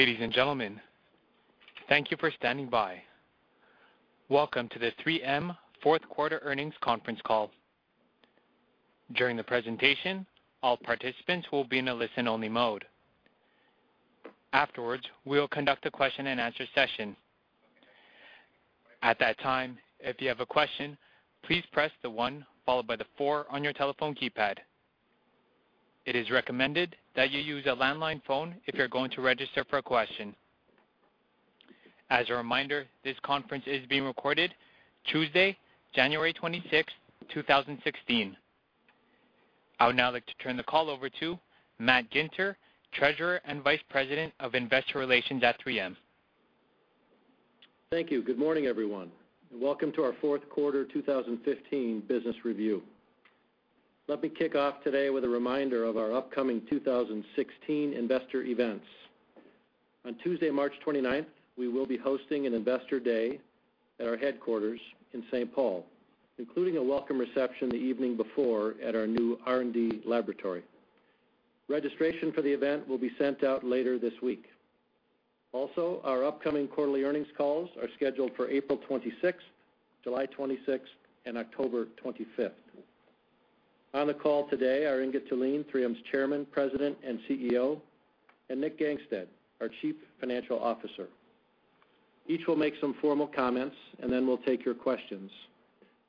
Ladies and gentlemen, thank you for standing by. Welcome to the 3M Fourth Quarter Earnings Conference Call. During the presentation, all participants will be in a listen-only mode. Afterwards, we will conduct a question and answer session. At that time, if you have a question, please press the 1 followed by the 4 on your telephone keypad. It is recommended that you use a landline phone if you're going to register for a question. As a reminder, this conference is being recorded Tuesday, January 26, 2016. I would now like to turn the call over to Matt Ginter, Treasurer and Vice President of Investor Relations at 3M. Thank you. Good morning, everyone, and welcome to our fourth quarter 2015 business review. Let me kick off today with a reminder of our upcoming 2016 investor events. On Tuesday, March 29th, we will be hosting an Investor Day at our headquarters in St. Paul, including a welcome reception the evening before at our new R&D laboratory. Registration for the event will be sent out later this week. Our upcoming quarterly earnings calls are scheduled for April 26th, July 26th, and October 25th. On the call today are Inge Thulin, 3M's Chairman, President, and CEO, and Nick Gangestad, our Chief Financial Officer. Each will make some formal comments. Then we'll take your questions.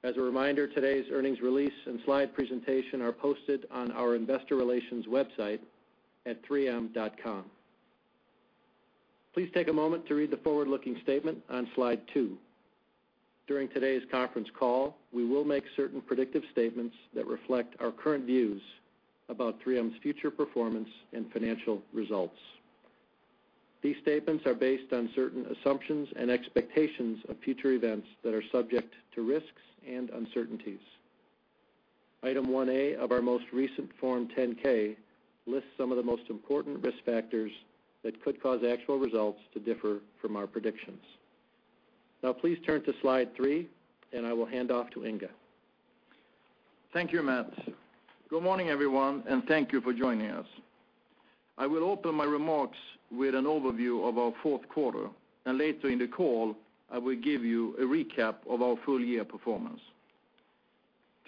As a reminder, today's earnings release and slide presentation are posted on our investor relations website at 3m.com. Please take a moment to read the forward-looking statement on slide two. During today's conference call, we will make certain predictive statements that reflect our current views about 3M's future performance and financial results. These statements are based on certain assumptions and expectations of future events that are subject to risks and uncertainties. Item 1A of our most recent Form 10-K lists some of the most important risk factors that could cause actual results to differ from our predictions. Please turn to slide three, and I will hand off to Inge. Thank you, Matt. Good morning, everyone, and thank you for joining us. I will open my remarks with an overview of our fourth quarter, and later in the call, I will give you a recap of our full year performance.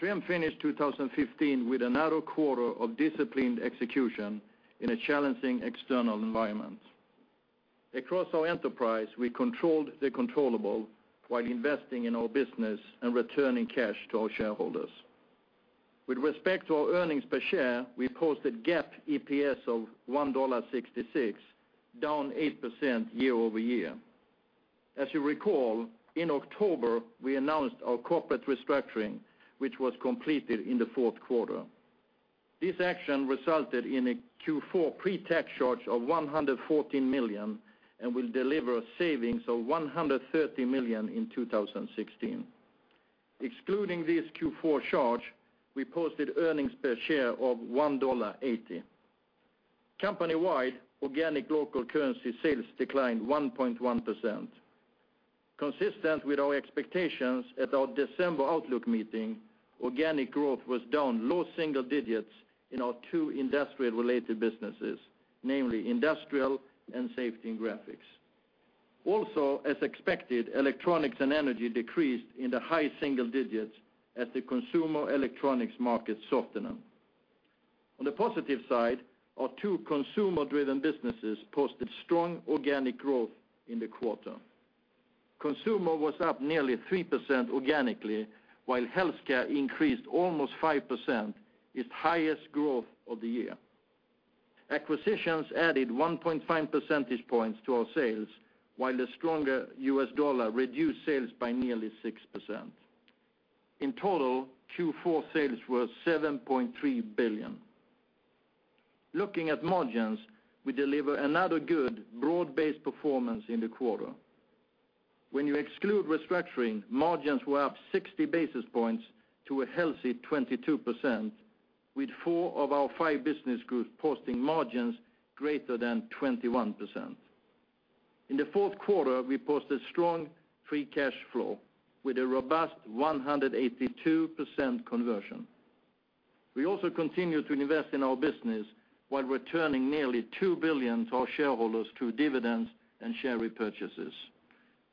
3M finished 2015 with another quarter of disciplined execution in a challenging external environment. Across our enterprise, we controlled the controllable while investing in our business and returning cash to our shareholders. With respect to our earnings per share, we posted GAAP EPS of $1.66, down 8% year-over-year. As you recall, in October, we announced our corporate restructuring, which was completed in the fourth quarter. This action resulted in a Q4 pre-tax charge of $114 million and will deliver savings of $130 million in 2016. Excluding this Q4 charge, we posted earnings per share of $1.80. Company-wide, organic local currency sales declined 1.1%. Consistent with our expectations at our December outlook meeting, organic growth was down low single digits in our two industrial-related businesses, namely Industrial and Safety and Graphics. As expected, Electronics and Energy decreased in the high single digits as the consumer electronics market softened. On the positive side, our two consumer-driven businesses posted strong organic growth in the quarter. Consumer was up nearly 3% organically, while Health Care increased almost 5%, its highest growth of the year. Acquisitions added 1.5 percentage points to our sales, while the stronger U.S. dollar reduced sales by nearly 6%. In total, Q4 sales were $7.3 billion. Looking at margins, we delivered another good broad-based performance in the quarter. When you exclude restructuring, margins were up 60 basis points to a healthy 22%, with four of our five business groups posting margins greater than 21%. In the fourth quarter, we posted strong free cash flow with a robust 182% conversion. We also continued to invest in our business while returning nearly $2 billion to our shareholders through dividends and share repurchases.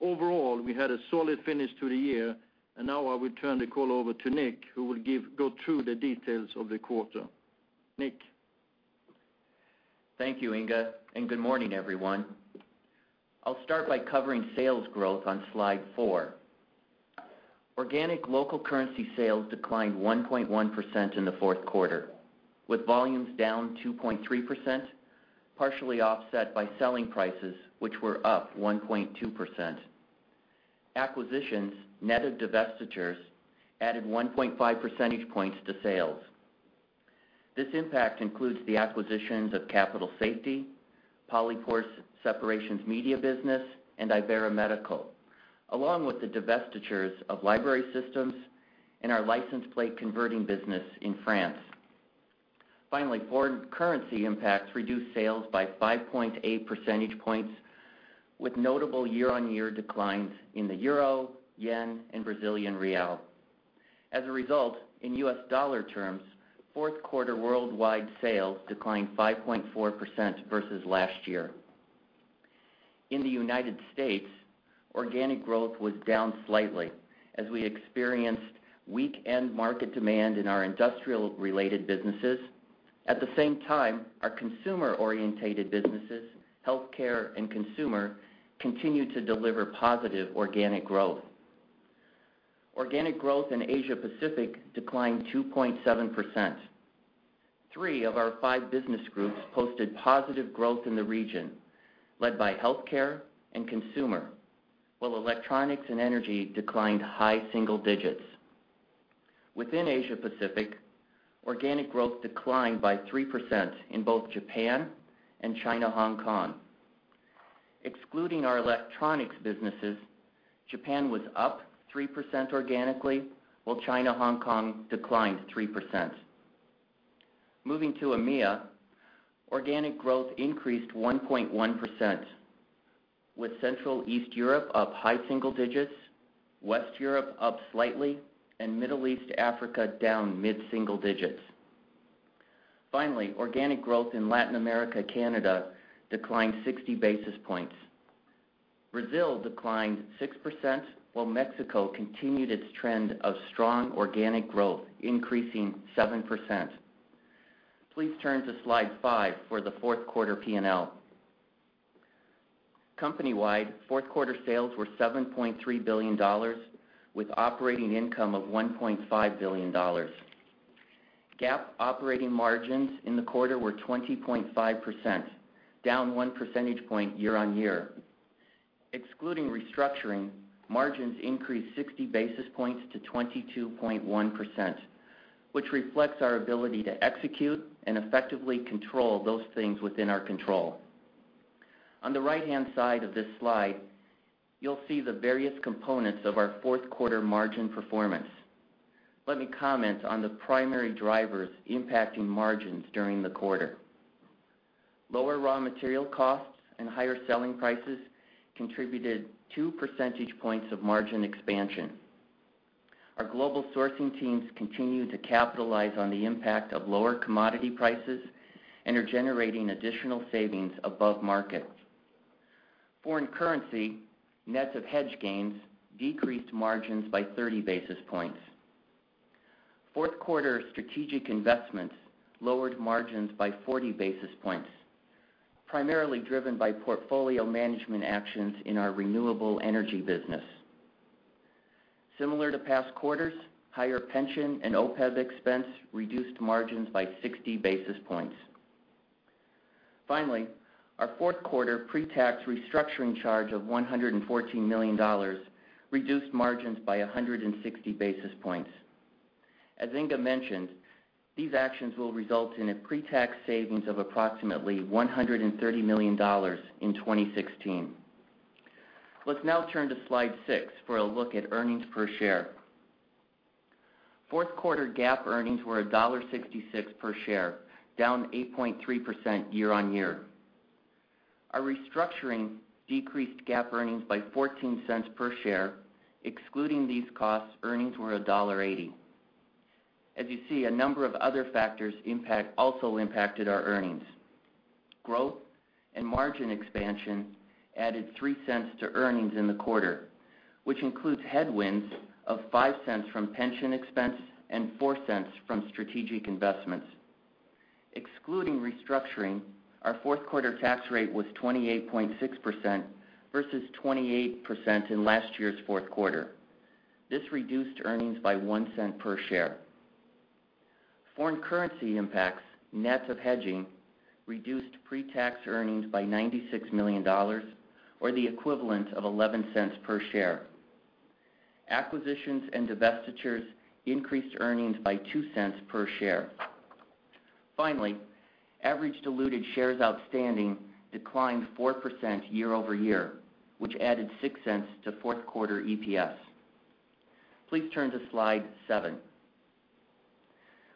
Overall, we had a solid finish to the year. Now I will turn the call over to Nick, who will go through the details of the quarter. Nick. Thank you, Inge. Good morning, everyone. I'll start by covering sales growth on slide four. Organic local currency sales declined 1.1% in the fourth quarter, with volumes down 2.3%, partially offset by selling prices, which were up 1.2%. Acquisitions, net of divestitures, added 1.5 percentage points to sales. This impact includes the acquisitions of Capital Safety, Polypore Separations Media business, and Ivera Medical, along with the divestitures of Library Systems and our license plate converting business in France. Finally, foreign currency impacts reduced sales by 5.8 percentage points with notable year-on-year declines in the euro, yen, and Brazilian real. As a result, in U.S. dollar terms, fourth quarter worldwide sales declined 5.4% versus last year. In the U.S., organic growth was down slightly as we experienced weak end market demand in our industrial-related businesses. At the same time, our consumer-oriented businesses, Health Care and Consumer, continued to deliver positive organic growth. Organic growth in Asia Pacific declined 2.7%. Three of our five business groups posted positive growth in the region, led by Health Care and Consumer, while Electronics and Energy declined high single digits. Within Asia Pacific, organic growth declined by 3% in both Japan and China/Hong Kong. Excluding our electronics businesses, Japan was up 3% organically, while China/Hong Kong declined 3%. Moving to EMEA, organic growth increased 1.1%, with Central/East Europe up high single digits, West Europe up slightly, and Middle East/Africa down mid-single digits. Finally, organic growth in Latin America/Canada declined 60 basis points. Brazil declined 6%, while Mexico continued its trend of strong organic growth, increasing 7%. Please turn to Slide five for the fourth quarter P&L. Company-wide, fourth quarter sales were $7.3 billion, with operating income of $1.5 billion. GAAP operating margins in the quarter were 20.5%, down one percentage point year-on-year. Excluding restructuring, margins increased 60 basis points to 22.1%, which reflects our ability to execute and effectively control those things within our control. On the right-hand side of this slide, you'll see the various components of our fourth quarter margin performance. Let me comment on the primary drivers impacting margins during the quarter. Lower raw material costs and higher selling prices contributed two percentage points of margin expansion. Our global sourcing teams continue to capitalize on the impact of lower commodity prices and are generating additional savings above market. Foreign currency, net of hedge gains, decreased margins by 30 basis points. Fourth quarter strategic investments lowered margins by 40 basis points, primarily driven by portfolio management actions in our renewable energy business. Similar to past quarters, higher pension and OPEB expense reduced margins by 60 basis points. Our fourth quarter pre-tax restructuring charge of $114 million reduced margins by 160 basis points. As Inge mentioned, these actions will result in a pre-tax savings of approximately $130 million in 2016. Let's now turn to Slide six for a look at earnings per share. Fourth quarter GAAP earnings were $1.66 per share, down 8.3% year-on-year. Our restructuring decreased GAAP earnings by $0.14 per share. Excluding these costs, earnings were $1.80. As you see, a number of other factors also impacted our earnings. Growth and margin expansion added $0.03 to earnings in the quarter, which includes headwinds of $0.05 from pension expense and $0.04 from strategic investments. Excluding restructuring, our fourth quarter tax rate was 28.6% versus 28% in last year's fourth quarter. This reduced earnings by $0.01 per share. Foreign currency impacts, net of hedging, reduced pre-tax earnings by $96 million, or the equivalent of $0.11 per share. Acquisitions and divestitures increased earnings by $0.02 per share. Average diluted shares outstanding declined 4% year-over-year, which added $0.06 to fourth quarter EPS. Please turn to Slide seven.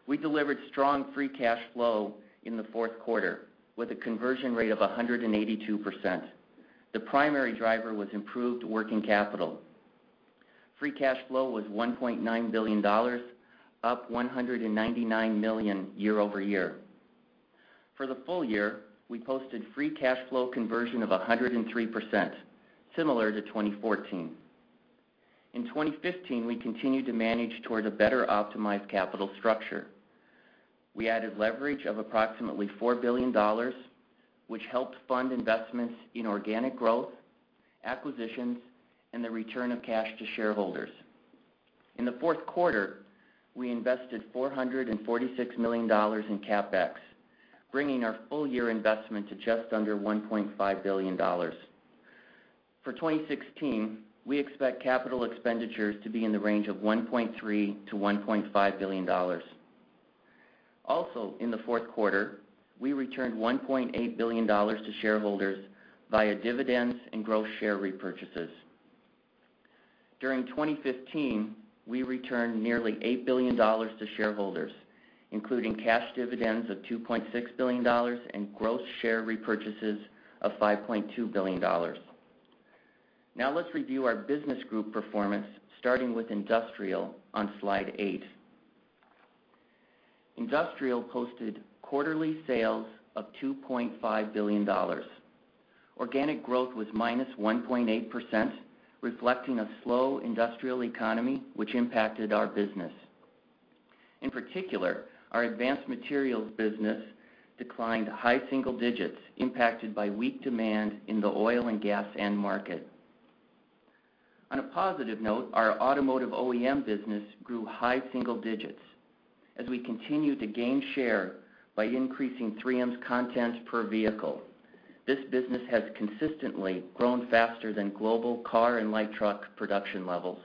We delivered strong free cash flow in the fourth quarter, with a conversion rate of 182%. The primary driver was improved working capital. Free cash flow was $1.9 billion, up $199 million year-over-year. For the full year, we posted free cash flow conversion of 103%, similar to 2014. In 2015, we continued to manage toward a better optimized capital structure. We added leverage of approximately $4 billion, which helped fund investments in organic growth, acquisitions, and the return of cash to shareholders. In the fourth quarter, we invested $446 million in CapEx, bringing our full-year investment to just under $1.5 billion. For 2016, we expect capital expenditures to be in the range of $1.3 billion-$1.5 billion. In the fourth quarter, we returned $1.8 billion to shareholders via dividends and gross share repurchases. During 2015, we returned nearly $8 billion to shareholders, including cash dividends of $2.6 billion and gross share repurchases of $5.2 billion. Let's review our business group performance, starting with Industrial on slide eight. Industrial posted quarterly sales of $2.5 billion. Organic growth was -1.8%, reflecting a slow industrial economy, which impacted our business. In particular, our advanced materials business declined high single digits, impacted by weak demand in the oil and gas end market. On a positive note, our automotive OEM business grew high single digits, as we continue to gain share by increasing 3M's content per vehicle. This business has consistently grown faster than global car and light truck production levels.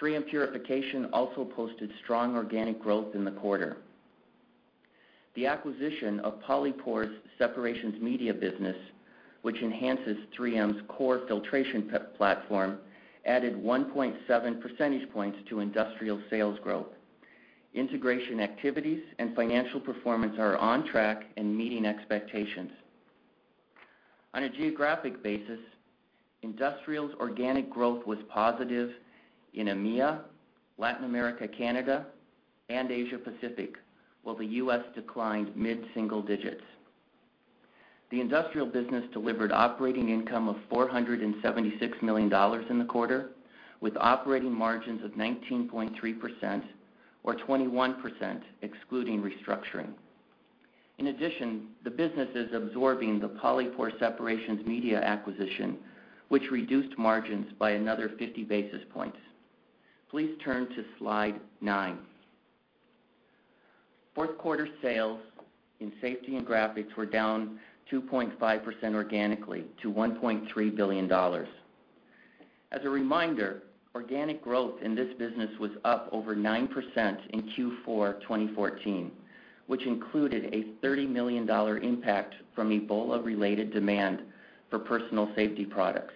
3M Purification also posted strong organic growth in the quarter. The acquisition of Polypore's Separations Media business, which enhances 3M's core filtration platform, added 1.7 percentage points to Industrial sales growth. Integration activities and financial performance are on track and meeting expectations. On a geographic basis, Industrial's organic growth was positive in EMEA, Latin America, Canada, and Asia Pacific, while the U.S. declined mid-single digits. The Industrial business delivered operating income of $476 million in the quarter, with operating margins of 19.3%, or 21% excluding restructuring. In addition, the business is absorbing the Polypore Separations Media acquisition, which reduced margins by another 50 basis points. Please turn to Slide 9. Fourth quarter sales in Safety and Graphics were down 2.5% organically to $1.3 billion. As a reminder, organic growth in this business was up over 9% in Q4 2014, which included a $30 million impact from Ebola-related demand for personal safety products.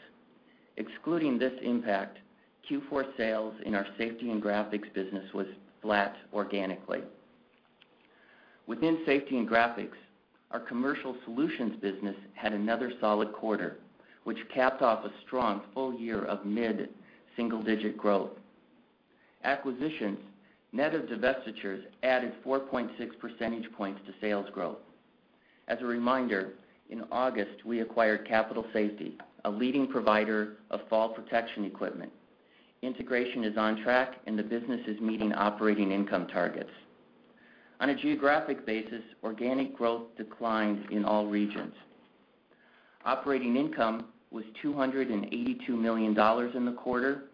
Excluding this impact, Q4 sales in our Safety and Graphics business was flat organically. Within Safety and Graphics, our commercial solutions business had another solid quarter, which capped off a strong full year of mid-single-digit growth. Acquisitions, net of divestitures, added 4.6 percentage points to sales growth. As a reminder, in August, we acquired Capital Safety, a leading provider of fall protection equipment. Integration is on track, and the business is meeting operating income targets. On a geographic basis, organic growth declined in all regions. Operating income was $282 million in the quarter,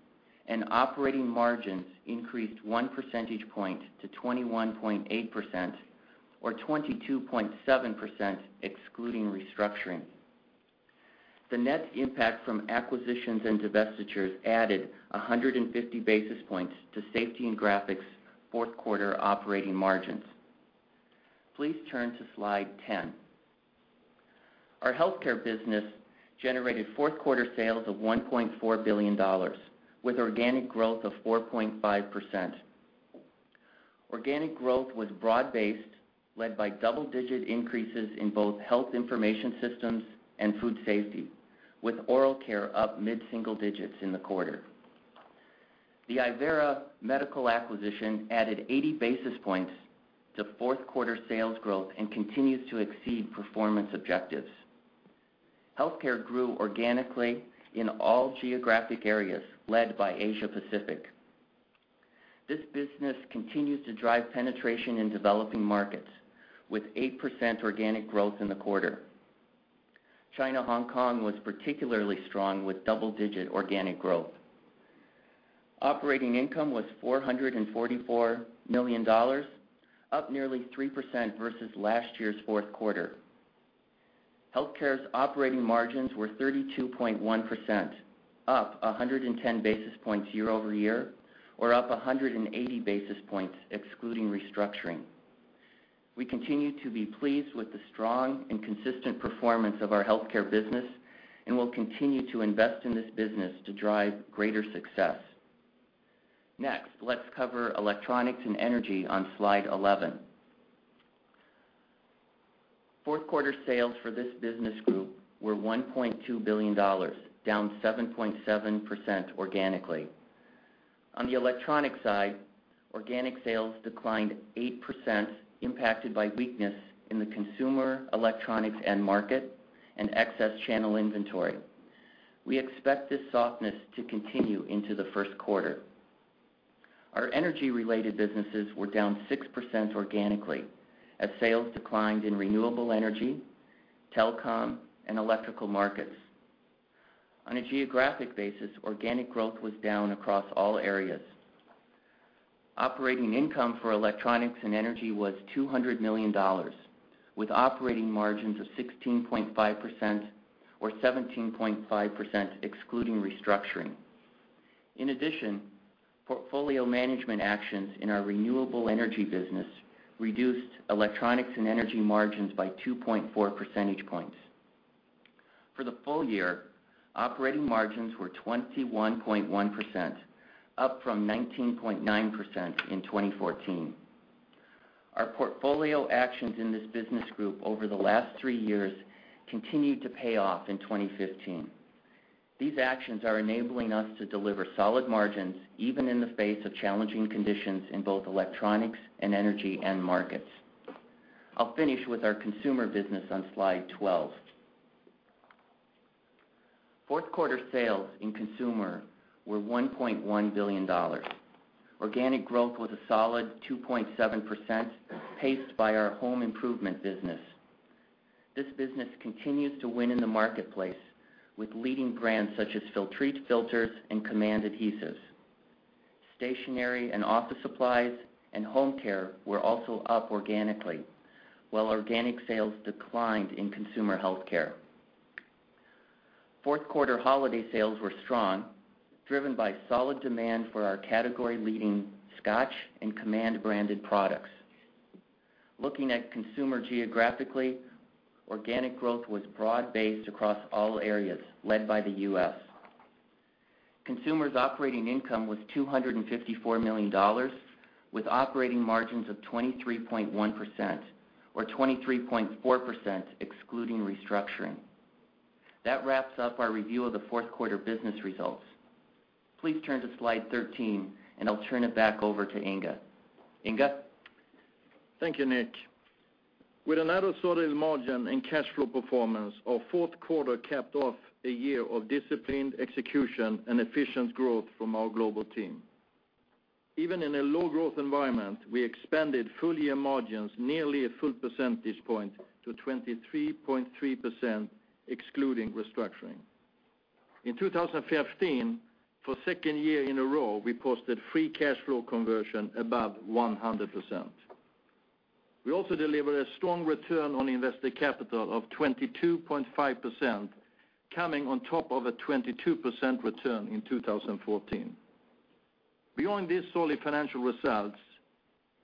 and operating margins increased one percentage point to 21.8%, or 22.7% excluding restructuring. The net impact from acquisitions and divestitures added 150 basis points to Safety and Graphics' fourth quarter operating margins. Please turn to Slide 10. Our Healthcare business generated fourth quarter sales of $1.4 billion, with organic growth of 4.5%. Organic growth was broad-based, led by double-digit increases in both Health Information Systems and Food Safety, with Oral Care up mid-single digits in the quarter. The Ivera Medical acquisition added 80 basis points to fourth quarter sales growth and continues to exceed performance objectives. Healthcare grew organically in all geographic areas, led by Asia Pacific. This business continues to drive penetration in developing markets, with 8% organic growth in the quarter. China/Hong Kong was particularly strong with double-digit organic growth. Operating income was $444 million, up nearly 3% versus last year's fourth quarter. Healthcare's operating margins were 32.1%, up 110 basis points year-over-year, or up 180 basis points excluding restructuring. We continue to be pleased with the strong and consistent performance of our Healthcare business and will continue to invest in this business to drive greater success. Next, let's cover Electronics and Energy on Slide 11. Fourth quarter sales for this business group were $1.2 billion, down 7.7% organically. On the electronics side, organic sales declined 8%, impacted by weakness in the consumer electronics end market and excess channel inventory. We expect this softness to continue into the first quarter. Our energy-related businesses were down 6% organically as sales declined in renewable energy, telecom, and electrical markets. On a geographic basis, organic growth was down across all areas. Operating income for Electronics and Energy was $200 million, with operating margins of 16.5%, or 17.5% excluding restructuring. Portfolio management actions in our Electronics and Energy business reduced Electronics and Energy margins by 2.4 percentage points. For the full year, operating margins were 21.1%, up from 19.9% in 2014. Our portfolio actions in this business group over the last three years continued to pay off in 2015. These actions are enabling us to deliver solid margins, even in the face of challenging conditions in both Electronics and Energy end markets. I'll finish with our Consumer business on slide 12. Fourth quarter sales in Consumer were $1.1 billion. Organic growth was a solid 2.7%, paced by our home improvement business. This business continues to win in the marketplace, with leading brands such as Filtrete filters and Command adhesives. Stationery and office supplies and home care were also up organically, while organic sales declined in consumer healthcare. Fourth quarter holiday sales were strong, driven by solid demand for our category-leading Scotch and Command-branded products. Looking at Consumer geographically, organic growth was broad-based across all areas, led by the U.S. Consumer's operating income was $254 million, with operating margins of 23.1%, or 23.4% excluding restructuring. That wraps up our review of the fourth quarter business results. Please turn to slide 13, and I'll turn it back over to Inge. Inge? Thank you, Nick. With another solid margin and cash flow performance, our fourth quarter capped off a year of disciplined execution and efficient growth from our global team. Even in a low-growth environment, we expanded full-year margins nearly a full percentage point to 23.3%, excluding restructuring. In 2015, for the second year in a row, we posted free cash flow conversion above 100%. We also delivered a strong return on invested capital of 22.5%, coming on top of a 22% return in 2014. Beyond these solid financial results,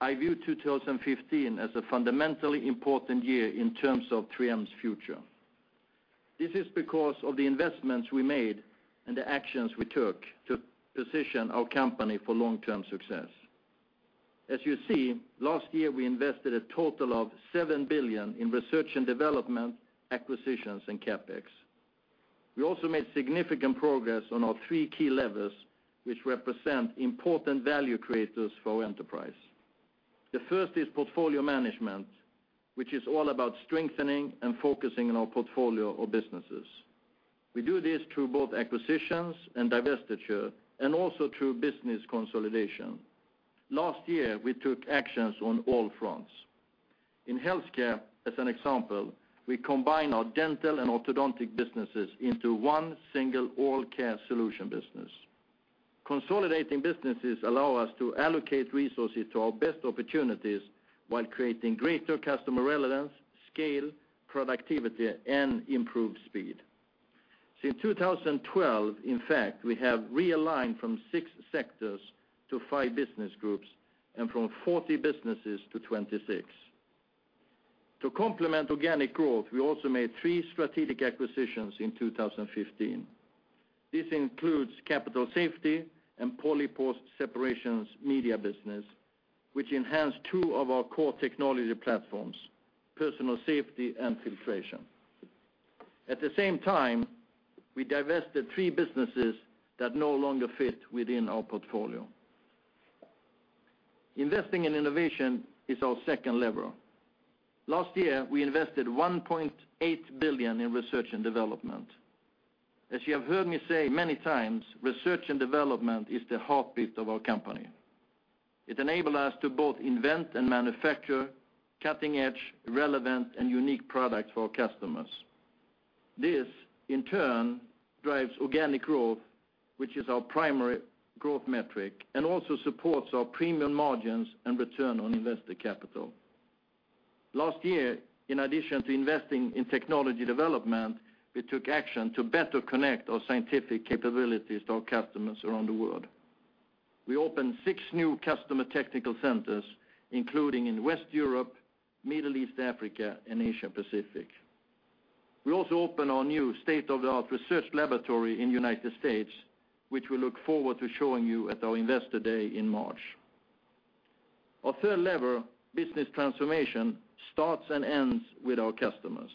I view 2015 as a fundamentally important year in terms of 3M's future. This is because of the investments we made and the actions we took to position our company for long-term success. As you see, last year, we invested a total of $7 billion in research and development, acquisitions, and CapEx. We also made significant progress on our three key levers, which represent important value creators for our enterprise. The first is portfolio management, which is all about strengthening and focusing on our portfolio of businesses. We do this through both acquisitions and divestiture, and also through business consolidation. Last year, we took actions on all fronts. In healthcare, as an example, we combined our dental and orthodontic businesses into one single Oral Care solution business. Consolidating businesses allow us to allocate resources to our best opportunities while creating greater customer relevance, scale, productivity, and improved speed. Since 2012, in fact, we have realigned from six sectors to five business groups and from 40 businesses to 26. To complement organic growth, we also made three strategic acquisitions in 2015. This includes Capital Safety and Polypore Separations Media business, which enhanced two of our core technology platforms, personal safety and filtration. At the same time, we divested three businesses that no longer fit within our portfolio. Investing in innovation is our second lever. Last year, we invested $1.8 billion in research and development. As you have heard me say many times, research and development is the heartbeat of our company. It enables us to both invent and manufacture cutting-edge, relevant, and unique products for our customers. This, in turn, drives organic growth, which is our primary growth metric, and also supports our premium margins and return on invested capital. Last year, in addition to investing in technology development, we took action to better connect our scientific capabilities to our customers around the world. We opened six new customer technical centers, including in West Europe, Middle East Africa, and Asia Pacific. We also opened our new state-of-the-art research laboratory in the U.S., which we look forward to showing you at our Investor Day in March. Our third lever, business transformation, starts and ends with our customers.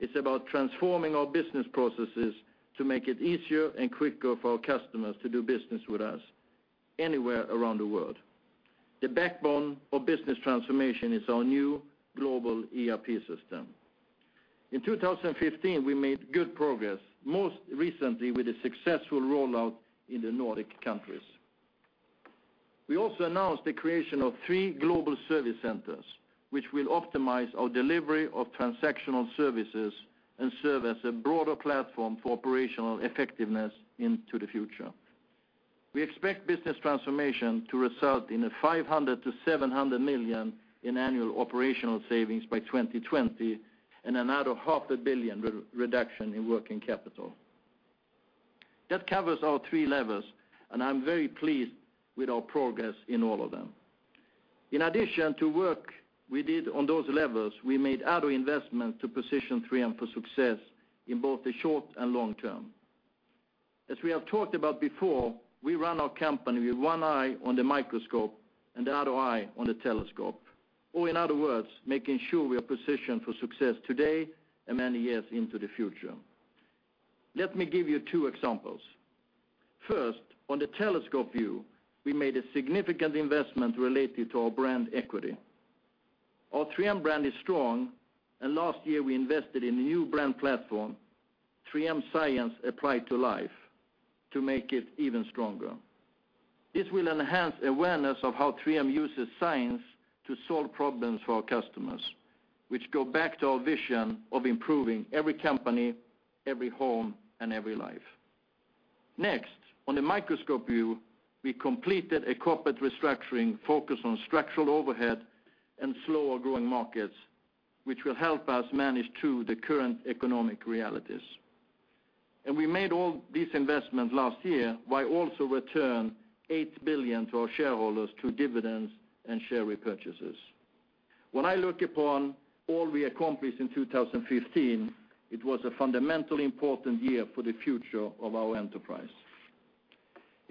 It's about transforming our business processes to make it easier and quicker for our customers to do business with us anywhere around the world. The backbone of business transformation is our new global ERP system. In 2015, we made good progress, most recently with a successful rollout in the Nordic countries. We also announced the creation of three global service centers, which will optimize our delivery of transactional services and serve as a broader platform for operational effectiveness into the future. We expect business transformation to result in a $500 million-$700 million in annual operational savings by 2020 and another half a billion reduction in working capital. That covers our three levels, and I'm very pleased with our progress in all of them. In addition to work we did on those levels, we made other investments to position 3M for success in both the short and long term. As we have talked about before, we run our company with one eye on the microscope and the other eye on the telescope, or in other words, making sure we are positioned for success today and many years into the future. Let me give you two examples. First, on the telescope view, we made a significant investment related to our brand equity. Our 3M brand is strong, and last year we invested in a new brand platform, 3M Science. Applied to Life., to make it even stronger. This will enhance awareness of how 3M uses science to solve problems for our customers, which go back to our vision of improving every company, every home, and every life. Next, on the microscope view, we completed a corporate restructuring focused on structural overhead and slower-growing markets, which will help us manage through the current economic realities. We made all these investments last year while also return $8 billion to our shareholders through dividends and share repurchases. When I look upon all we accomplished in 2015, it was a fundamentally important year for the future of our enterprise.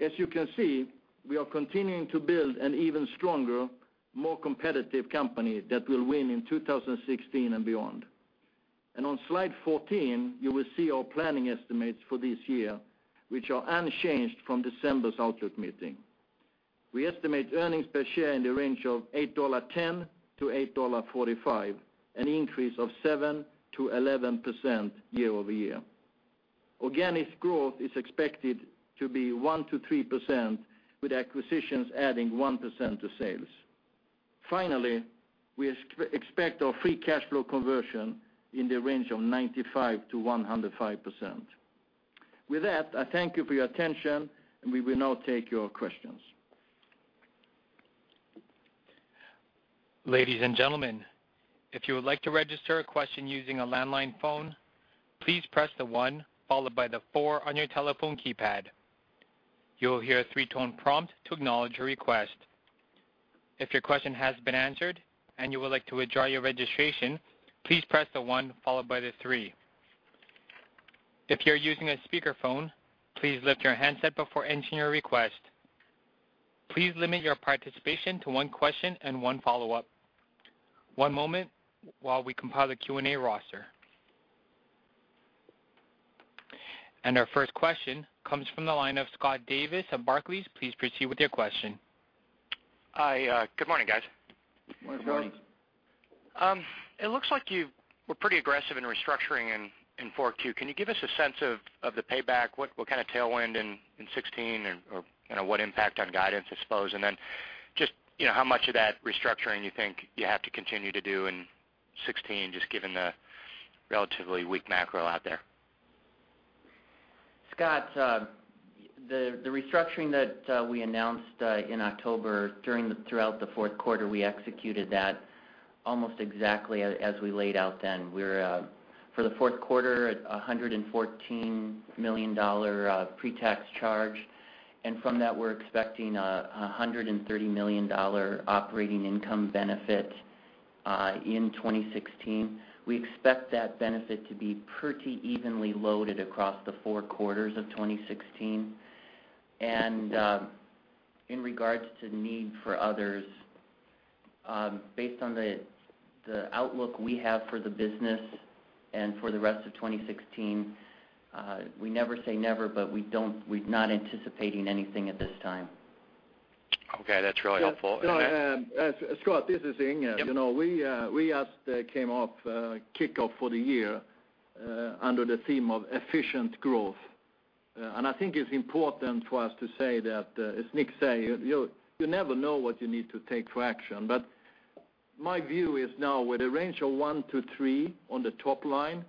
As you can see, we are continuing to build an even stronger, more competitive company that will win in 2016 and beyond. On slide 14, you will see our planning estimates for this year, which are unchanged from December's outlook meeting. We estimate earnings per share in the range of $8.10-$8.45, an increase of 7%-11% year-over-year. Organic growth is expected to be 1%-3%, with acquisitions adding 1% to sales. We expect our free cash flow conversion in the range of 95%-105%. With that, I thank you for your attention, and we will now take your questions. Ladies and gentlemen, if you would like to register a question using a landline phone, please press the one followed by the four on your telephone keypad. You will hear a three-tone prompt to acknowledge your request. If your question has been answered and you would like to withdraw your registration, please press the one followed by the three. If you're using a speakerphone, please lift your handset before entering your request. Please limit your participation to one question and one follow-up. One moment while we compile a Q&A roster. Our first question comes from the line of Scott Davis of Barclays. Please proceed with your question. Hi. Good morning, guys. Good morning. Good morning. It looks like you were pretty aggressive in restructuring in Q4. Can you give us a sense of the payback? What kind of tailwind in 2016 or what impact on guidance, I suppose. Then just how much of that restructuring you think you have to continue to do in 2016, just given the relatively weak macro out there? Scott, the restructuring that we announced in October, throughout the fourth quarter, we executed that almost exactly as we laid out then. For the fourth quarter, $114 million pretax charge. From that, we're expecting $130 million operating income benefit in 2016. We expect that benefit to be pretty evenly loaded across the four quarters of 2016. In regards to need for others, based on the outlook we have for the business and for the rest of 2016, we never say never, but we're not anticipating anything at this time. Okay. That's really helpful. Scott, this is Inge. Yep. We just came off a kickoff for the year under the theme of efficient growth. I think it's important for us to say that, as Nick say, you never know what you need to take for action. My view is now, with a range of 1%-3% on the top line,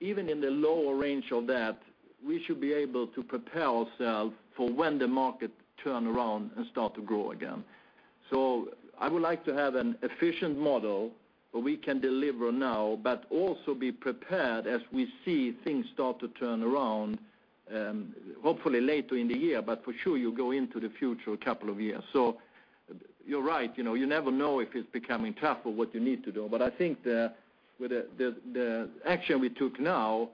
even in the lower range of that, we should be able to propel ourself for when the market turn around and start to grow again. I would like to have an efficient model where we can deliver now, but also be prepared as we see things start to turn around, hopefully later in the year, but for sure, you go into the future a couple of years. You're right, you never know if it's becoming tough or what you need to do, I think with the action we took now,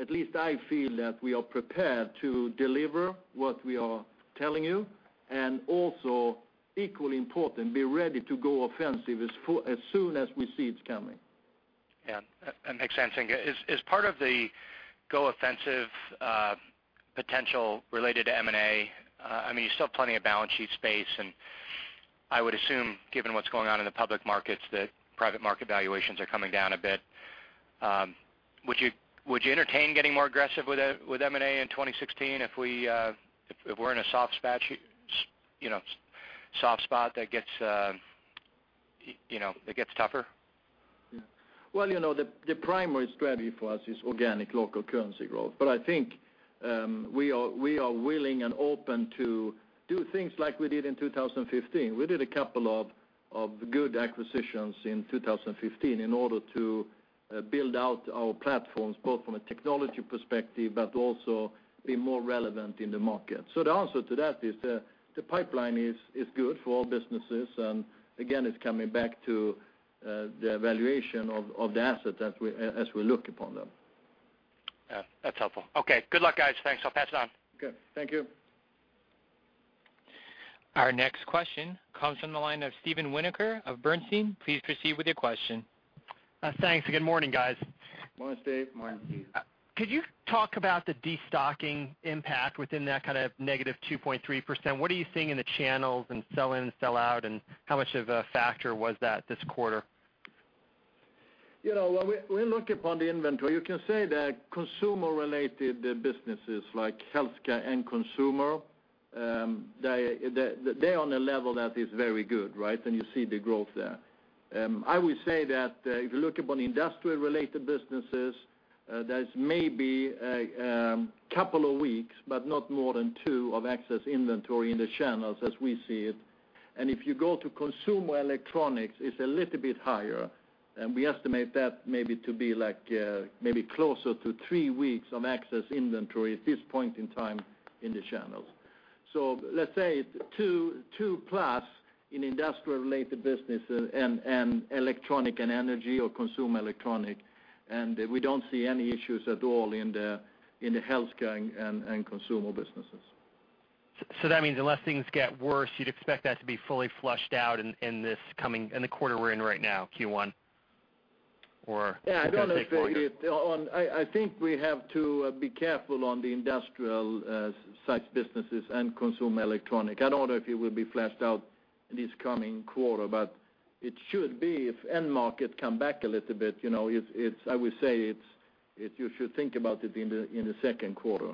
at least I feel that we are prepared to deliver what we are telling you, and also equally important, be ready to go offensive as soon as we see it's coming. Yeah. Makes sense, Inge. Is part of the go offensive potential related to M&A? You still have plenty of balance sheet space, I would assume, given what's going on in the public markets, that private market valuations are coming down a bit. Would you entertain getting more aggressive with M&A in 2016 if we're in a soft spot that gets tougher? Well, the primary strategy for us is organic local currency growth, but I think we are willing and open to do things like we did in 2015. We did a couple of good acquisitions in 2015 in order to build out our platforms, both from a technology perspective, but also be more relevant in the market. The answer to that is the pipeline is good for all businesses, and again, it's coming back to the evaluation of the assets as we look upon them. Yeah. That's helpful. Okay. Good luck, guys. Thanks. I'll pass it on. Good. Thank you. Our next question comes from the line of Steven Winoker of Bernstein. Please proceed with your question. Thanks, good morning, guys. Morning, Steve. Morning, Steve. Could you talk about the de-stocking impact within that kind of negative 2.3%? What are you seeing in the channels and sell-in sell-out, and how much of a factor was that this quarter? When we look upon the inventory, you can say that consumer-related businesses like Health Care and Consumer, they're on a level that is very good, right? You see the growth there. I would say that if you look upon Industrial-related businesses, there's maybe a couple of weeks, but not more than two, of excess inventory in the channels as we see it. If you go to consumer electronics, it's a little bit higher, and we estimate that maybe to be closer to three weeks of excess inventory at this point in time in the channels. Let's say two plus in Industrial-related business and Electronics and Energy or consumer electronic, and we don't see any issues at all in the Health Care and Consumer businesses. That means unless things get worse, you'd expect that to be fully flushed out in the quarter we're in right now, Q1, or is that going to take longer? I think we have to be careful on the Industrial side businesses and consumer electronic. I don't know if it will be flushed out in this coming quarter, it should be if end market come back a little bit. I would say, you should think about it in the second quarter.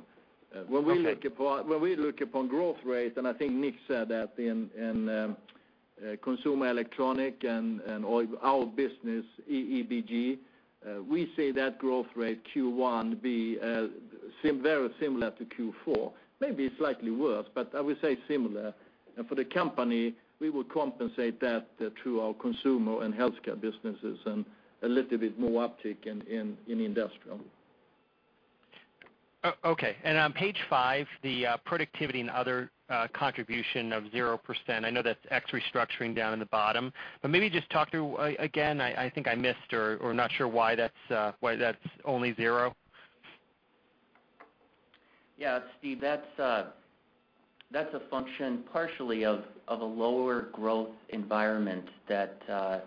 Okay. When we look upon growth rate, I think Nick said that in consumer electronic and our business, EEBG, we see that growth rate Q1B very similar to Q4. Maybe slightly worse, I would say similar. For the company, we will compensate that through our Consumer and Health Care businesses, a little bit more uptick in Industrial. Okay. On page five, the productivity and other contribution of 0%, I know that's ex restructuring down in the bottom, but maybe just talk through again, I think I missed or not sure why that's only zero. Yeah, Steve, that's a function partially of a lower growth environment that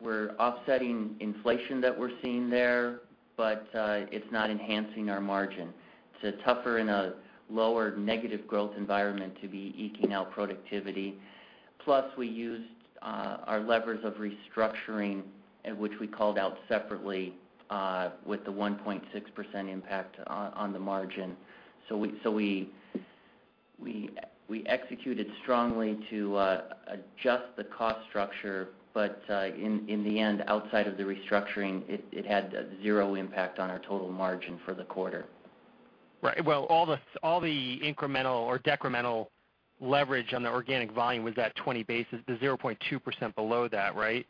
we're offsetting inflation that we're seeing there, but it's not enhancing our margin. It's tougher in a lower negative growth environment to be eking out productivity. Plus, we used our levers of restructuring, which we called out separately with the 1.6% impact on the margin. We executed strongly to adjust the cost structure, but in the end, outside of the restructuring, it had zero impact on our total margin for the quarter. Right. Well, all the incremental or decremental leverage on the organic volume was at 20 basis, the 0.2% below that, right?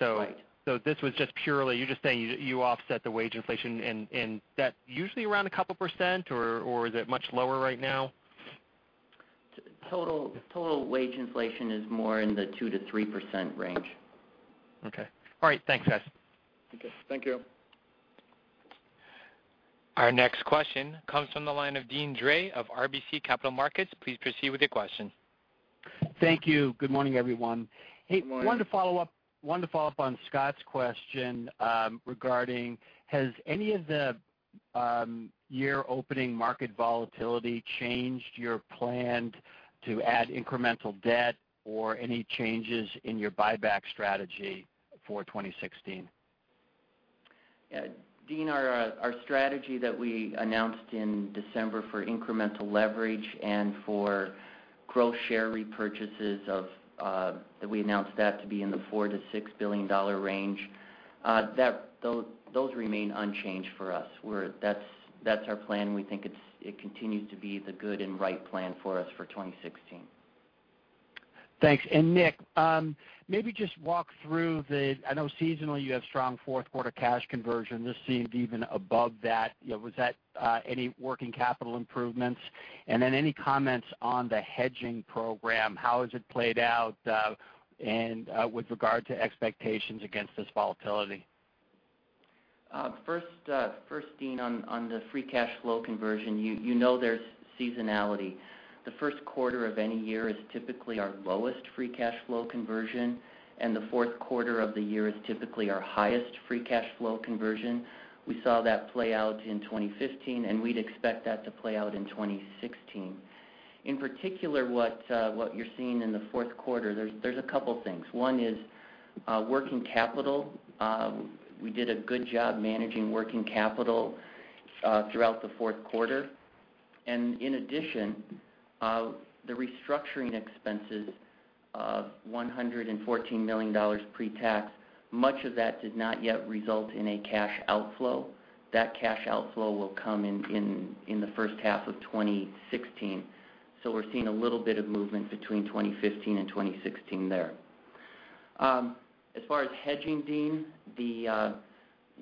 Right. This was just purely, you're just saying you offset the wage inflation, and that usually around a couple %, or is it much lower right now? Total wage inflation is more in the 2%-3% range. Okay. All right. Thanks, guys. Okay. Thank you. Our next question comes from the line of Deane Dray of RBC Capital Markets. Please proceed with your question. Thank you. Good morning, everyone. Good morning. Hey, wanted to follow up on Scott's question regarding, has any of the year-opening market volatility changed your plan to add incremental debt or any changes in your buyback strategy for 2016? Deane, our strategy that we announced in December for incremental leverage and for gross share repurchases that we announced to be in the $4 billion-$6 billion range, those remain unchanged for us. That's our plan. We think it continues to be the good and right plan for us for 2016. Thanks. Nick, maybe just walk through the, I know seasonally you have strong fourth quarter cash conversion. This seemed even above that. Was that any working capital improvements? Any comments on the hedging program, how has it played out and with regard to expectations against this volatility? First, Deane, on the free cash flow conversion, you know there's seasonality. The first quarter of any year is typically our lowest free cash flow conversion, and the fourth quarter of the year is typically our highest free cash flow conversion. We saw that play out in 2015, we'd expect that to play out in 2016. In particular, what you're seeing in the fourth quarter, there's a couple things. One is working capital. We did a good job managing working capital throughout the fourth quarter. In addition, the restructuring expenses of $114 million pre-tax, much of that did not yet result in a cash outflow. That cash outflow will come in the first half of 2016. We're seeing a little bit of movement between 2015 and 2016 there. As far as hedging, Deane,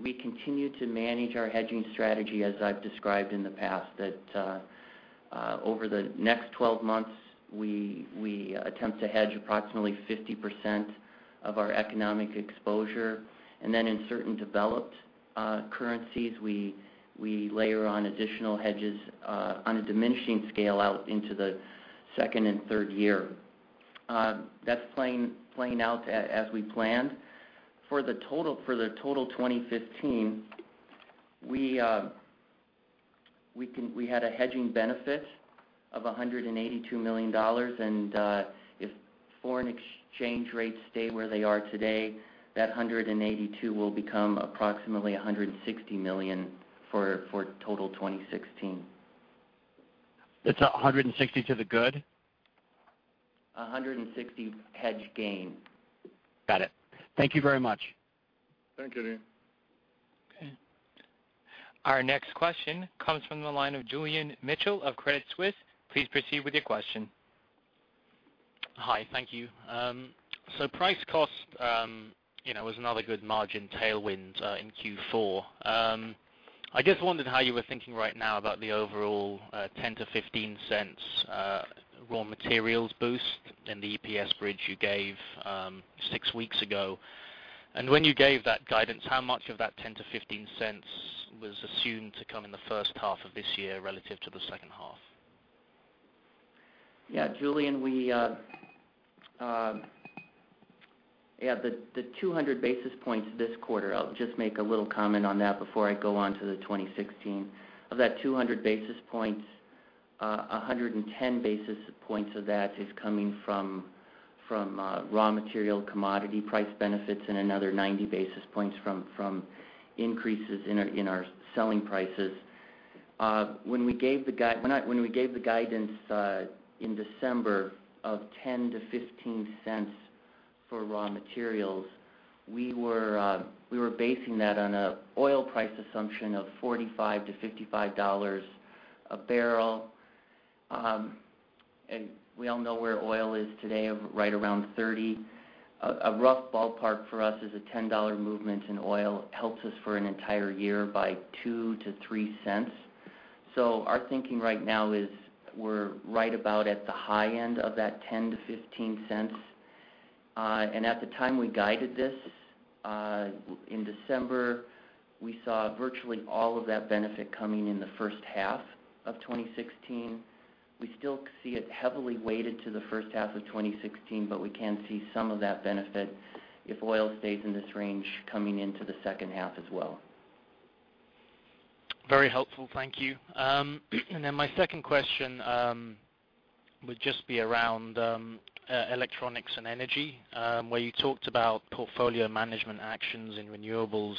we continue to manage our hedging strategy as I've described in the past, that over the next 12 months, we attempt to hedge approximately 50% of our economic exposure. In certain developed currencies, we layer on additional hedges on a diminishing scale out into the second and third year. That's playing out as we planned. For the total 2015, we had a hedging benefit of $182 million. If foreign exchange rates stay where they are today, that $182 million will become approximately $160 million for total 2016. It's $160 to the good? $160 hedge gain. Got it. Thank you very much. Thank you, Deane. Okay. Our next question comes from the line of Julian Mitchell of Credit Suisse. Please proceed with your question. Hi, thank you. Price cost was another good margin tailwind in Q4. I just wondered how you were thinking right now about the overall $0.10 to $0.15 raw materials boost in the EPS bridge you gave six weeks ago. When you gave that guidance, how much of that $0.10 to $0.15 was assumed to come in the first half of this year relative to the second half? Yeah, Julian, the 200 basis points this quarter, I'll just make a little comment on that before I go on to the 2016. Of that 200 basis points, 110 basis points of that is coming from raw material commodity price benefits and another 90 basis points from increases in our selling prices. When we gave the guidance in December of $0.10 to $0.15 for raw materials, we were basing that on an oil price assumption of $45 to $55 a barrel. We all know where oil is today, right around $30. A rough ballpark for us is a $10 movement in oil helps us for an entire year by $0.02 to $0.03. Our thinking right now is we're right about at the high end of that $0.10 to $0.15. At the time we guided this in December, we saw virtually all of that benefit coming in the first half of 2016. We still see it heavily weighted to the first half of 2016, but we can see some of that benefit if oil stays in this range coming into the second half as well. Very helpful. Thank you. My second question would just be around Electronics and Energy, where you talked about portfolio management actions in renewables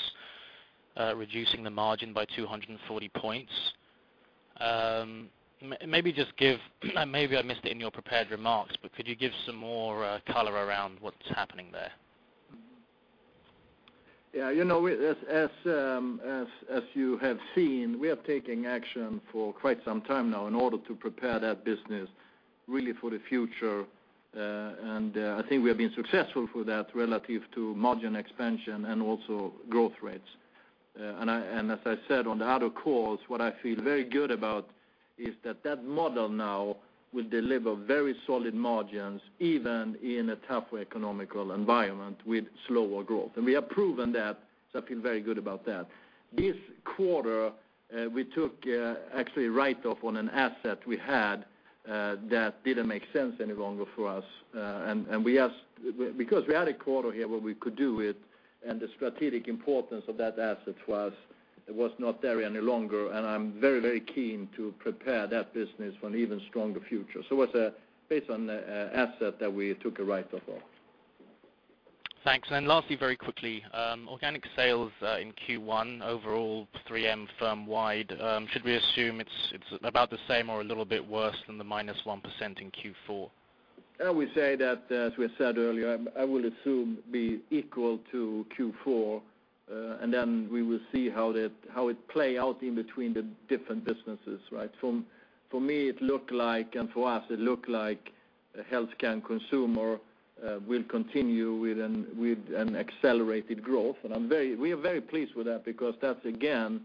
reducing the margin by 240 points. Maybe I missed it in your prepared remarks, but could you give some more color around what's happening there? Yeah. As you have seen, we are taking action for quite some time now in order to prepare that business really for the future. I think we have been successful for that relative to margin expansion and also growth rates. As I said on the other calls, what I feel very good about is that that model now will deliver very solid margins, even in a tough economic environment with slower growth. We have proven that, so I feel very good about that. This quarter, we took actually a write-off on an asset we had that didn't make sense any longer for us. Because we had a quarter here where we could do it, the strategic importance of that asset was not there any longer, I'm very keen to prepare that business for an even stronger future. It was based on the asset that we took a write-off of. Thanks. Lastly, very quickly, organic sales in Q1 overall 3M firm-wide, should we assume it's about the same or a little bit worse than the -1% in Q4? I would say that, as we have said earlier, I would assume it will be equal to Q4. Then we will see how it play out in between the different businesses. For me, it looked like, for us, it looked like Health Care and Consumer will continue with an accelerated growth. We are very pleased with that because that's again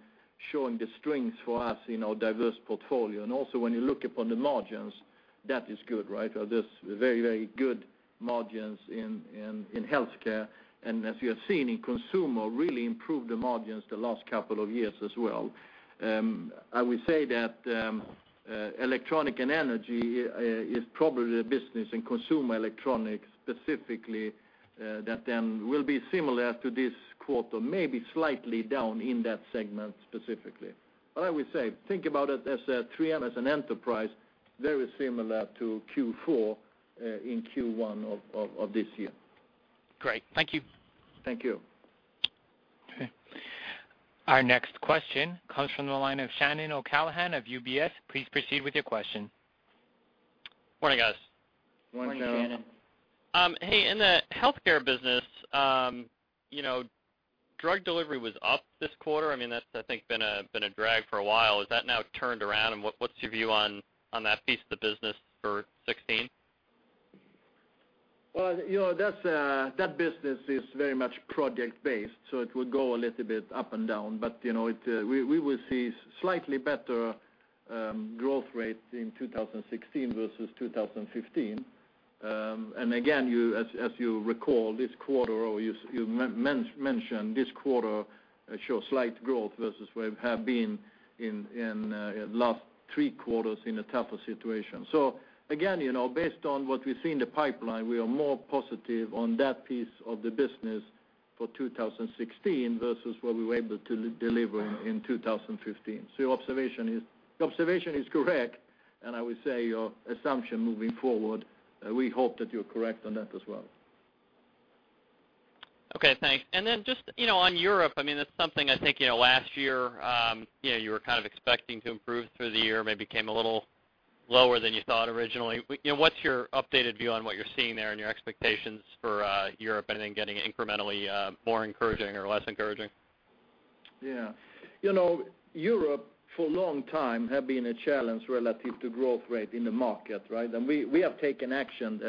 showing the strengths for us in our diverse portfolio. Also when you look upon the margins, that is good. There's very good margins in Health Care, and as you have seen in Consumer, really improved the margins the last couple of years as well. I would say that Electronics and Energy is probably the business in consumer electronics specifically, that then will be similar to this quarter, maybe slightly down in that segment specifically. I would say, think about it as 3M as an enterprise, very similar to Q4 in Q1 of this year. Great. Thank you. Thank you. Our next question comes from the line of Shannon O'Callaghan of UBS. Please proceed with your question. Morning, guys. Morning, Shannon. Hey, in the Health Care business, drug delivery was up this quarter. That's, I think, been a drag for a while. Has that now turned around, and what's your view on that piece of the business for 2016? Well, that business is very much project-based, so it will go a little bit up and down. We will see slightly better growth rate in 2016 versus 2015. Again, as you recall, this quarter, or you mentioned this quarter shows slight growth versus where we have been in last three quarters in a tougher situation. Again, based on what we see in the pipeline, we are more positive on that piece of the business for 2016 versus what we were able to deliver in 2015. Your observation is correct, and I would say your assumption moving forward, we hope that you're correct on that as well. Okay, thanks. Then just on Europe, that's something I think, last year, you were kind of expecting to improve through the year, maybe came a little lower than you thought originally. What's your updated view on what you're seeing there and your expectations for Europe, anything getting incrementally more encouraging or less encouraging? Yeah. Europe, for a long time, have been a challenge relative to growth rate in the market, right? We have taken action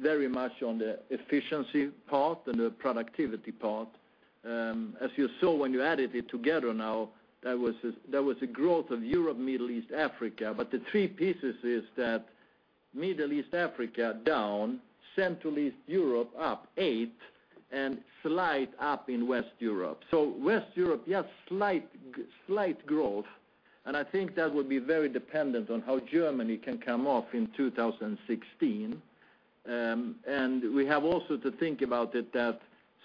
very much on the efficiency part and the productivity part. As you saw when you added it together now, there was a growth of Europe, Middle East, Africa, the three pieces is that Middle East, Africa, down. Central East Europe, up eight, and slight up in West Europe. West Europe, yes, slight growth, I think that will be very dependent on how Germany can come off in 2016. We have also to think about it that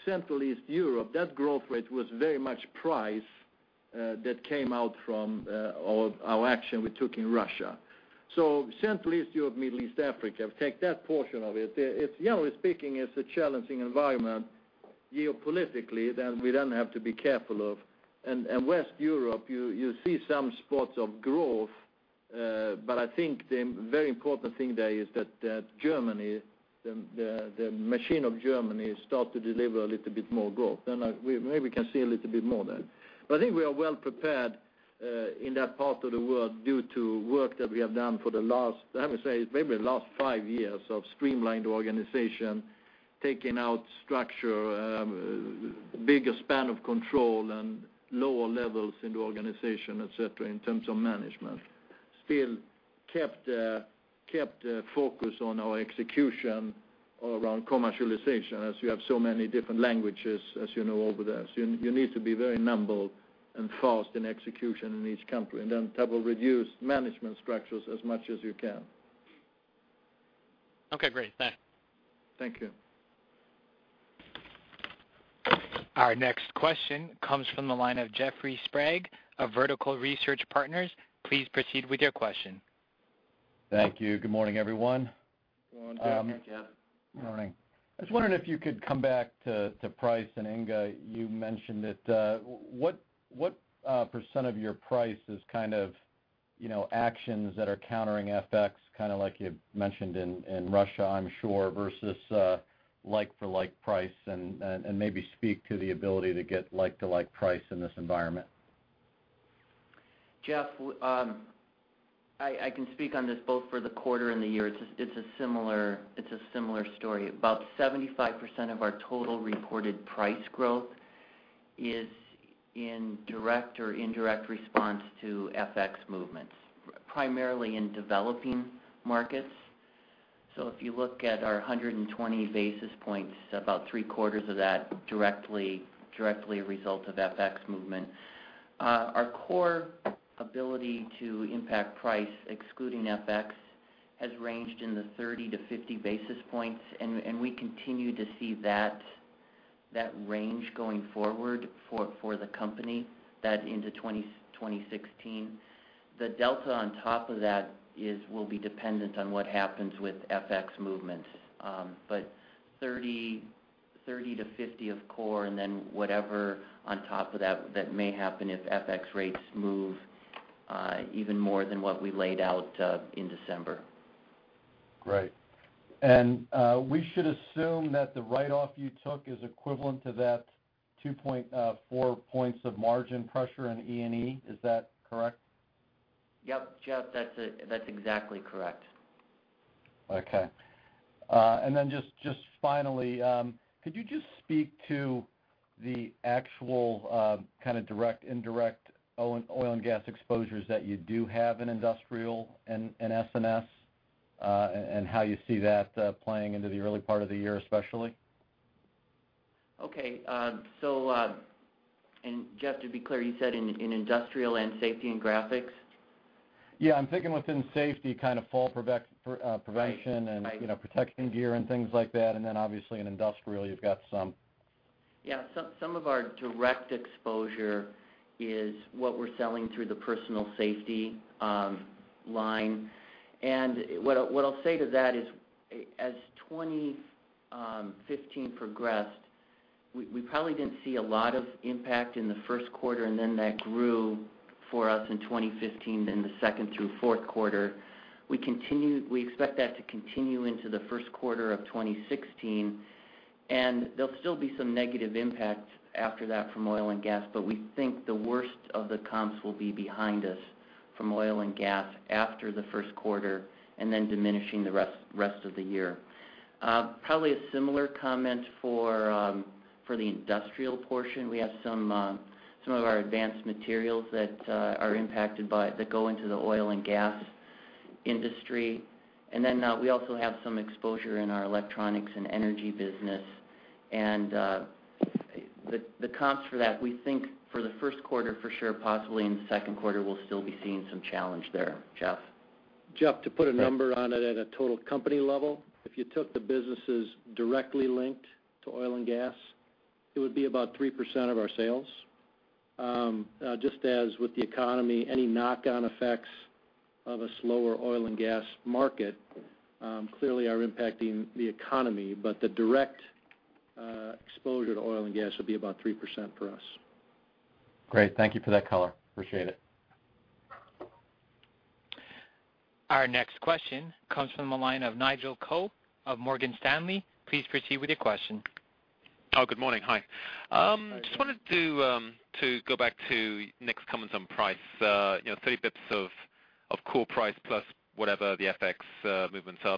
Central East Europe, that growth rate was very much price that came out from all our action we took in Russia. Central East Europe, Middle East, Africa, take that portion of it. Generally speaking, it's a challenging environment geopolitically that we then have to be careful of. In West Europe, you see some spots of growth. I think the very important thing there is that Germany, the machine of Germany, start to deliver a little bit more growth. Maybe we can see a little bit more there. I think we are well prepared in that part of the world due to work that we have done for the last, I would say, maybe last five years of streamlined organization, taking out structure, bigger span of control, and lower levels in the organization, et cetera, in terms of management. Still kept focus on our execution around commercialization, as you have so many different languages, as you know, over there. You need to be very nimble and fast in execution in each country, that will reduce management structures as much as you can. Okay, great. Thanks. Thank you. Our next question comes from the line of Jeffrey Sprague of Vertical Research Partners. Please proceed with your question. Thank you. Good morning, everyone. Good morning, Jeff. Morning. I was wondering if you could come back to price. Inge, you mentioned it. What % of your price is kind of actions that are countering FX, kind of like you mentioned in Russia, I'm sure, versus like-for-like price, and maybe speak to the ability to get like-to-like price in this environment? Jeff, I can speak on this both for the quarter and the year. It's a similar story. About 75% of our total reported price growth is in direct or indirect response to FX movements, primarily in developing markets. If you look at our 120 basis points, about three quarters of that directly a result of FX movement. Our core ability to impact price, excluding FX, has ranged in the 30-50 basis points, and we continue to see that range going forward for the company into 2016. The delta on top of that will be dependent on what happens with FX movements. 30-50 of core, and then whatever on top of that that may happen if FX rates move even more than what we laid out in December. Great. We should assume that the write-off you took is equivalent to that 2.4 points of margin pressure in E&E. Is that correct? Yep, Jeff, that's exactly correct. Okay. Just finally, could you just speak to the actual kind of direct indirect oil and gas exposures that you do have in Industrial and S&G, and how you see that playing into the early part of the year, especially? Okay. Jeff, to be clear, you said in Industrial and Safety and Graphics? Yeah, I'm thinking within Safety, kind of fall prevention. Right Protection gear and things like that. Then obviously in Industrial, you've got some. Yeah. Some of our direct exposure is what we're selling through the personal safety line. What I'll say to that is, as 2015 progressed We probably didn't see a lot of impact in the first quarter. Then that grew for us in 2015 in the second through fourth quarter. We expect that to continue into the first quarter of 2016. There'll still be some negative impact after that from oil and gas. We think the worst of the comps will be behind us from oil and gas after the first quarter and then diminishing the rest of the year. Probably a similar comment for the Industrial portion. We have some of our advanced materials that go into the oil and gas industry. Then we also have some exposure in our Electronics and Energy business. The comps for that, we think for the first quarter, for sure, possibly in the second quarter, we'll still be seeing some challenge there. Jeff? Jeff, to put a number on it at a total company level, if you took the businesses directly linked to oil and gas, it would be about 3% of our sales. Just as with the economy, any knock-on effects of a slower oil and gas market clearly are impacting the economy. The direct exposure to oil and gas would be about 3% for us. Great. Thank you for that color. Appreciate it. Our next question comes from the line of Nigel Coe of Morgan Stanley. Please proceed with your question. Oh, good morning. Hi. Hi, Nigel. Just wanted to go back to Nick's comments on price. 30 basis points of core price plus whatever the FX movements are.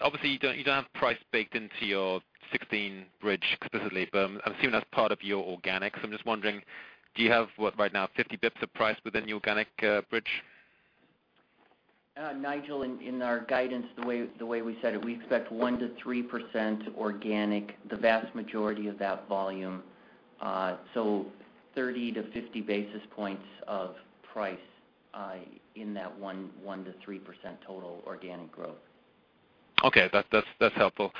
Obviously, you don't have price baked into your 2016 bridge explicitly, but I assume that's part of your organics. Just wondering, do you have right now 50 basis points of price within the organic bridge? Nigel, in our guidance, the way we said it, we expect 1%-3% organic, the vast majority of that volume. 30-50 basis points of price in that 1%-3% total organic growth. Okay. That's helpful.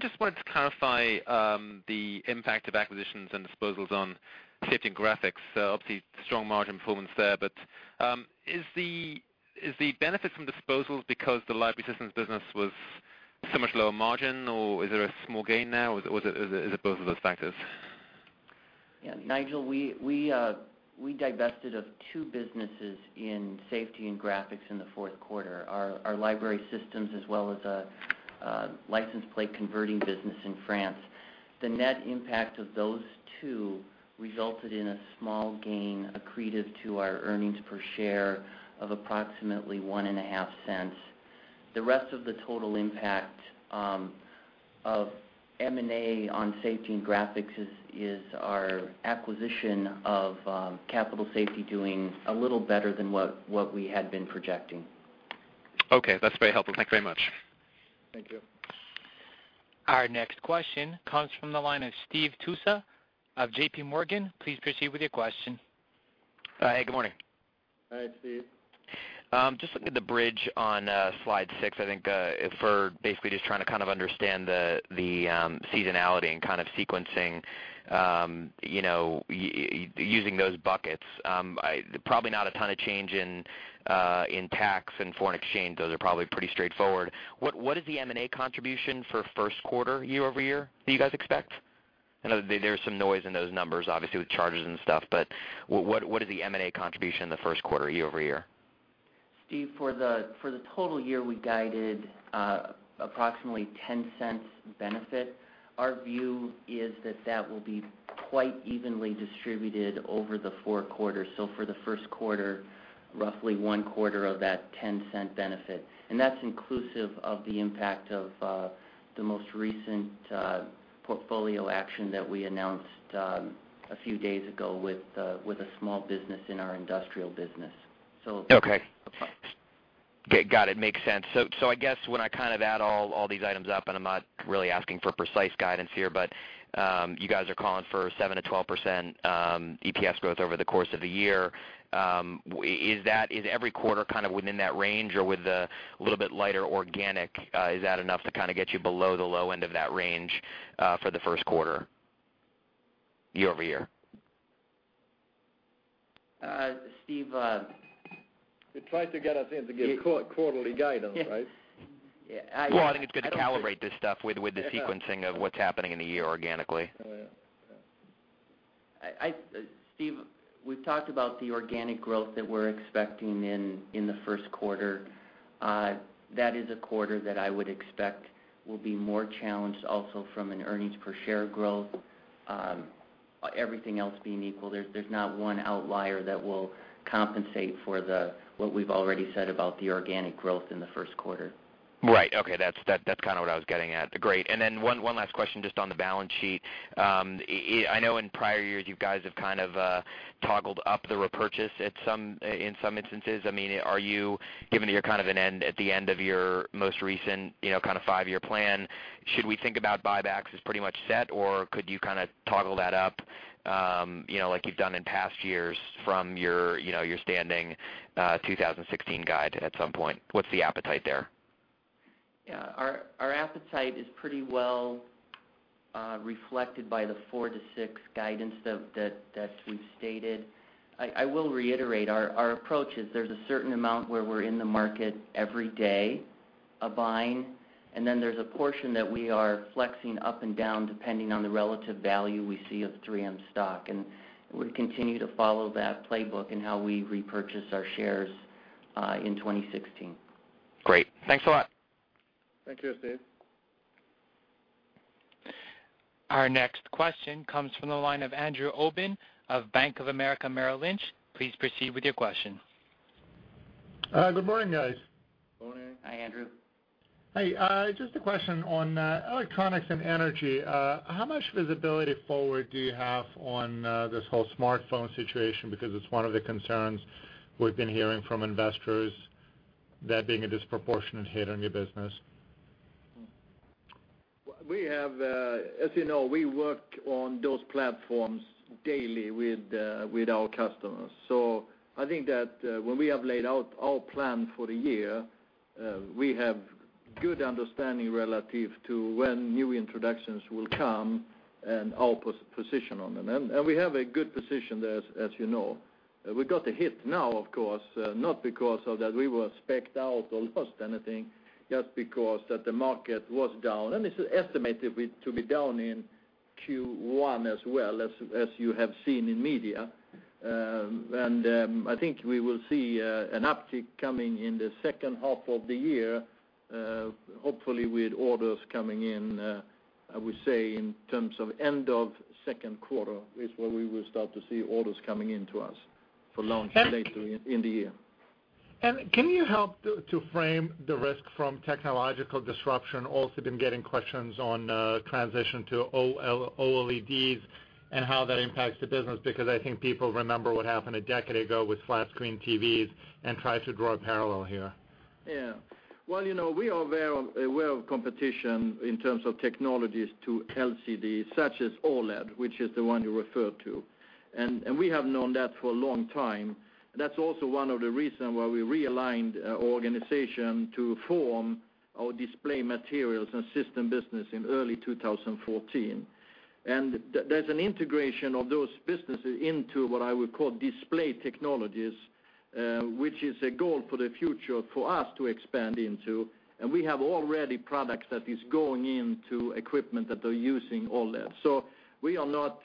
Just wanted to clarify the impact of acquisitions and disposals on Safety and Graphics. Obviously, strong margin performance there, is the benefit from disposals because the Library Systems business was so much lower margin, or is there a small gain now, or is it both of those factors? Nigel, we divested of two businesses in Safety and Graphics in the fourth quarter, our Library Systems as well as a license plate converting business in France. Net impact of those two resulted in a small gain accretive to our earnings per share of approximately one and a half cents. Rest of the total impact of M&A on Safety and Graphics is our acquisition of Capital Safety doing a little better than what we had been projecting. Okay. That's very helpful. Thanks very much. Thank you. Our next question comes from the line of Steve Tusa of J.P. Morgan. Please proceed with your question. Hi, good morning. Hi, Steve. Looking at the bridge on slide six, I think, for basically just trying to kind of understand the seasonality and kind of sequencing using those buckets. Probably not a ton of change in tax and foreign exchange. Those are probably pretty straightforward. What is the M&A contribution for first quarter year-over-year that you guys expect? I know there's some noise in those numbers, obviously, with charges and stuff, what is the M&A contribution in the first quarter year-over-year? Steve, for the total year, we guided approximately $0.10 benefit. Our view is that that will be quite evenly distributed over the four quarters. For the first quarter, roughly one quarter of that $0.10 benefit. That's inclusive of the impact of the most recent portfolio action that we announced a few days ago with a small business in our Industrial business. Okay. Got it. Makes sense. I guess when I kind of add all these items up, I'm not really asking for precise guidance here, you guys are calling for 7%-12% EPS growth over the course of the year. Is every quarter kind of within that range, or with the little bit lighter organic, is that enough to kind of get you below the low end of that range for the first quarter year-over-year? Steve- You're trying to get us into give quarterly guidance, right? Well, I think it's good to calibrate this stuff with the sequencing of what's happening in the year organically. Oh, yeah. Steve, we've talked about the organic growth that we're expecting in the first quarter. That is a quarter that I would expect will be more challenged also from an earnings per share growth. Everything else being equal, there's not one outlier that will compensate for what we've already said about the organic growth in the first quarter. Right. Okay. That's kind of what I was getting at. Great. One last question, just on the balance sheet. I know in prior years, you guys have kind of toggled up the repurchase in some instances. Given that you're kind of at the end of your most recent kind of five-year plan, should we think about buybacks as pretty much set, or could you kind of toggle that up like you've done in past years from your standing 2016 guide at some point? What's the appetite there? Yeah. Our appetite is pretty well reflected by the 4-6 guidance that we've stated. I will reiterate, our approach is there's a certain amount where we're in the market every day There's a portion that we are flexing up and down depending on the relative value we see of 3M stock. We continue to follow that playbook in how we repurchase our shares in 2016. Great. Thanks a lot. Thank you, Steve. Our next question comes from the line of Andrew Obin of Bank of America Merrill Lynch. Please proceed with your question. Good morning, guys. Morning. Hi, Andrew. Hey. Just a question on Electronics and Energy. How much visibility forward do you have on this whole smartphone situation? It's one of the concerns we've been hearing from investors, that being a disproportionate hit on your business. As you know, we work on those platforms daily with our customers. I think that when we have laid out our plan for the year, we have good understanding relative to when new introductions will come and our position on them. We have a good position there, as you know. We got a hit now, of course, not because of that we were spec'd out or lost anything, just because that the market was down, and it's estimated to be down in Q1 as well, as you have seen in media. I think we will see an uptick coming in the second half of the year, hopefully with orders coming in, I would say, in terms of end of second quarter, is when we will start to see orders coming in to us for launch later in the year. Can you help to frame the risk from technological disruption? Also been getting questions on transition to OLEDs and how that impacts the business, because I think people remember what happened a decade ago with flat-screen TVs and try to draw a parallel here. Yeah. Well, we are well aware of competition in terms of technologies to LCD, such as OLED, which is the one you referred to. We have known that for a long time. That's also one of the reason why we realigned our organization to form our display materials and systems business in early 2014. There's an integration of those businesses into what I would call display technologies, which is a goal for the future for us to expand into. We have already products that is going into equipment that are using OLED. We are not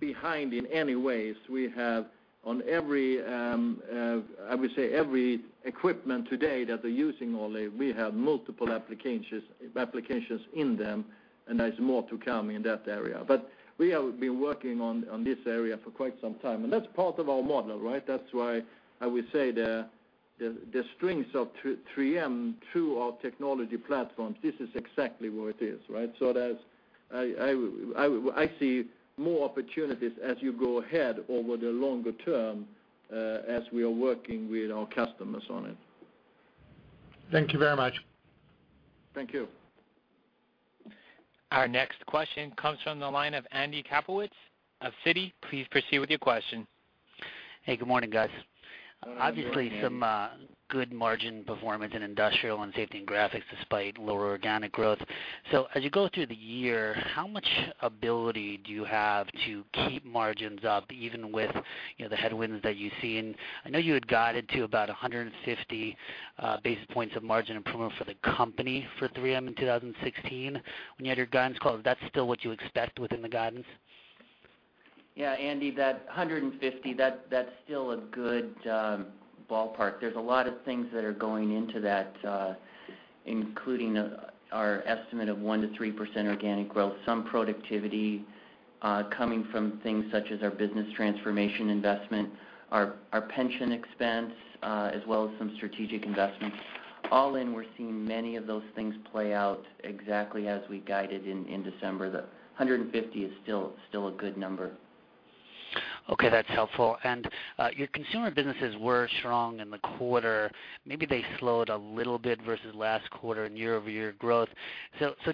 behind in any ways. We have on every, I would say every equipment today that are using OLED, we have multiple applications in them, and there's more to come in that area. We have been working on this area for quite some time, and that's part of our model, right? That's why I would say the strengths of 3M to our technology platforms, this is exactly where it is, right? I see more opportunities as you go ahead over the longer term, as we are working with our customers on it. Thank you very much. Thank you. Our next question comes from the line of Andrew Kaplowitz of Citi. Please proceed with your question. Hey, good morning, guys. Good morning, Andy. Obviously some good margin performance in Industrial and Safety and Graphics despite lower organic growth. As you go through the year, how much ability do you have to keep margins up even with the headwinds that you've seen? I know you had guided to about 150 basis points of margin improvement for the company for 3M in 2016. When you had your guidance call, is that still what you expect within the guidance? Yeah, Andy, that 150, that's still a good ballpark. There's a lot of things that are going into that, including our estimate of 1%-3% organic growth, some productivity coming from things such as our business transformation investment, our pension expense, as well as some strategic investments. All in, we're seeing many of those things play out exactly as we guided in December. The 150 is still a good number. Okay, that's helpful. Your Consumer businesses were strong in the quarter. Maybe they slowed a little bit versus last quarter in year-over-year growth.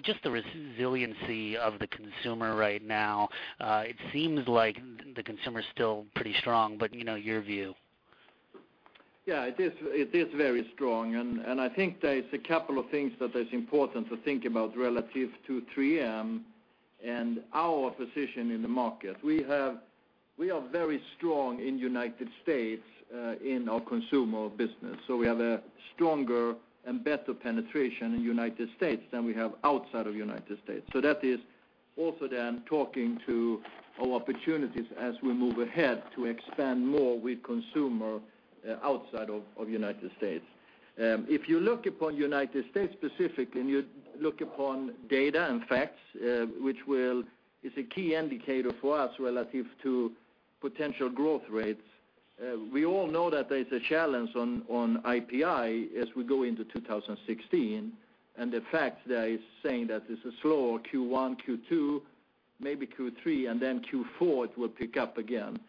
Just the resiliency of the Consumer right now, it seems like the Consumer's still pretty strong, but your view. It is very strong. I think there's a couple of things that is important to think about relative to 3M and our position in the market. We are very strong in the U.S. in our Consumer business. We have a stronger and better penetration in the U.S. than we have outside of the U.S. That is also talking to our opportunities as we move ahead to expand more with Consumer outside of the U.S. If you look upon the U.S. specifically and you look upon data and facts, which is a key indicator for us relative to potential growth rates, we all know that there's a challenge on IPI as we go into 2016. The fact that it's saying that it's a slower Q1, Q2, maybe Q3, Q4, it will pick up again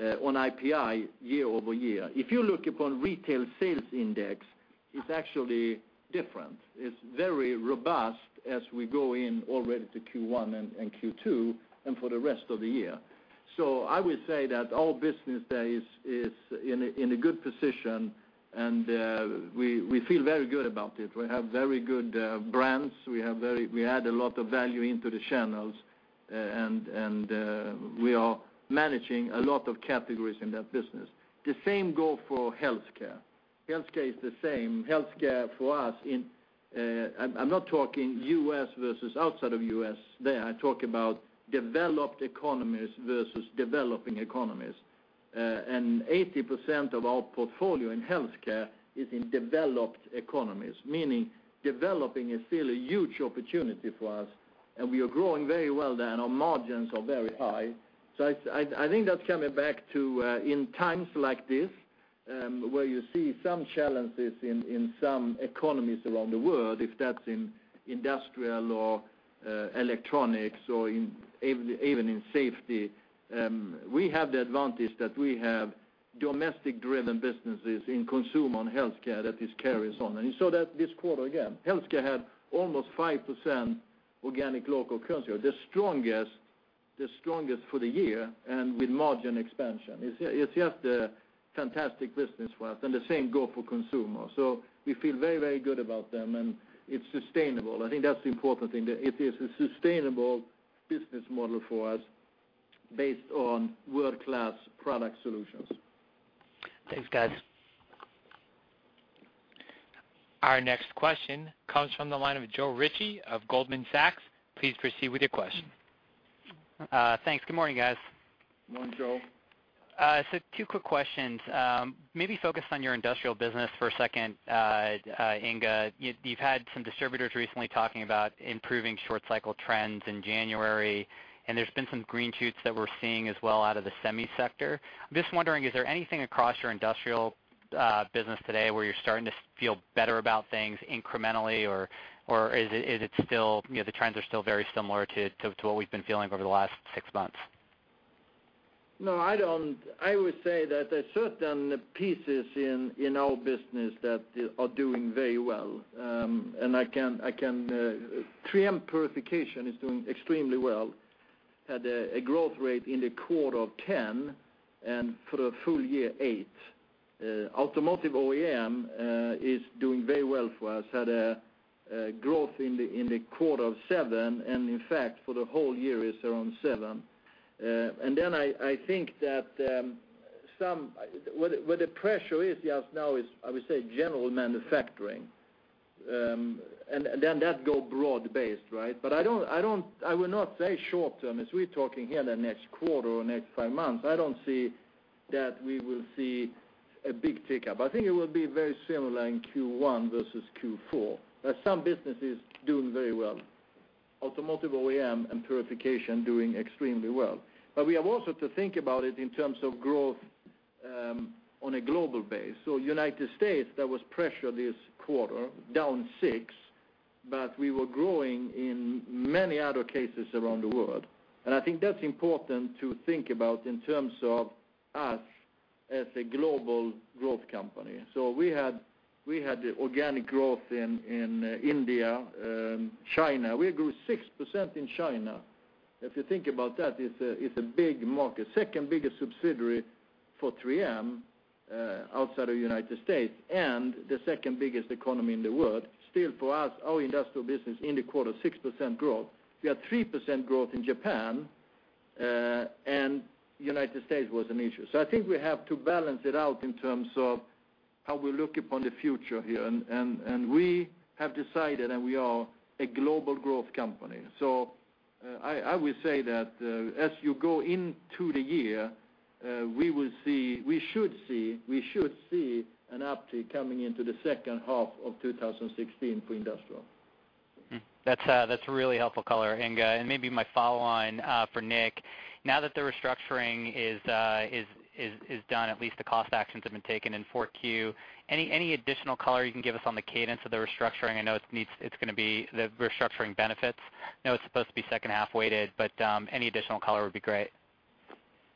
on IPI year-over-year. If you look upon retail sales index, it's actually different. It's very robust as we go in already to Q1 and Q2 and for the rest of the year. I would say that our business there is in a good position. We feel very good about it. We have very good brands. We add a lot of value into the channels. We are managing a lot of categories in that business. The same go for Health Care. Health Care is the same. Health Care for us, I'm not talking U.S. versus outside of U.S. there. I'm talking about developed economies versus developing economies. 80% of our portfolio in Health Care is in developed economies, meaning developing is still a huge opportunity for us. We are growing very well there. Our margins are very high. I think that's coming back to in times like this, where you see some challenges in some economies around the world, if that's in Industrial or Electronics or even in Safety, we have the advantage that we have domestic-driven businesses in Consumer and Health Care that just carries on. You saw that this quarter again. Health Care had almost 5% organic local currency, the strongest for the year with margin expansion. It's just a fantastic business for us. The same go for Consumer. We feel very good about them. It's sustainable. I think that's the important thing, that it is a sustainable business model for us based on world-class product solutions. Thanks, guys. Our next question comes from the line of Joe Ritchie of Goldman Sachs. Please proceed with your question. Thanks. Good morning, guys. Morning, Joe. Two quick questions. Maybe focus on your Industrial business for a second, Inge. You've had some distributors recently talking about improving short cycle trends in January, and there's been some green shoots that we're seeing as well out of the semi sector. I'm just wondering, is there anything across your Industrial business today where you're starting to feel better about things incrementally, or is it still the trends are still very similar to what we've been feeling over the last six months? I would say that there are certain pieces in our business that are doing very well. 3M Purification is doing extremely well. Had a growth rate in the quarter of 10%, and for the full year, 8%. Automotive OEM is doing very well for us, had a growth in the quarter of 7%, and in fact, for the whole year is around 7%. I think that where the pressure is just now is, I would say, general manufacturing. That goes broad-based, right? I will not say short term, as we're talking here the next quarter or next 5 months, I don't see that we will see a big tick-up. I think it will be very similar in Q1 versus Q4. There's some businesses doing very well. Automotive OEM and Purification doing extremely well. We have also to think about it in terms of growth on a global basis. U.S., there was pressure this quarter, down 6%, but we were growing in many other cases around the world. I think that's important to think about in terms of us as a global growth company. We had organic growth in India, China. We grew 6% in China. If you think about that, it's a big market. Second-biggest subsidiary for 3M outside of U.S., and the second-biggest economy in the world. Still for us, our Industrial business in the quarter, 6% growth. We had 3% growth in Japan, and U.S. was an issue. I think we have to balance it out in terms of how we look upon the future here, we have decided, and we are a global growth company. I would say that as you go into the year, we should see an uptick coming into the second half of 2016 for Industrial. That's really helpful color, Inge. Maybe my follow on for Nick. Now that the restructuring is done, at least the cost actions have been taken in 4Q, any additional color you can give us on the cadence of the restructuring? I know it's going to be the restructuring benefits. I know it's supposed to be second half weighted, any additional color would be great.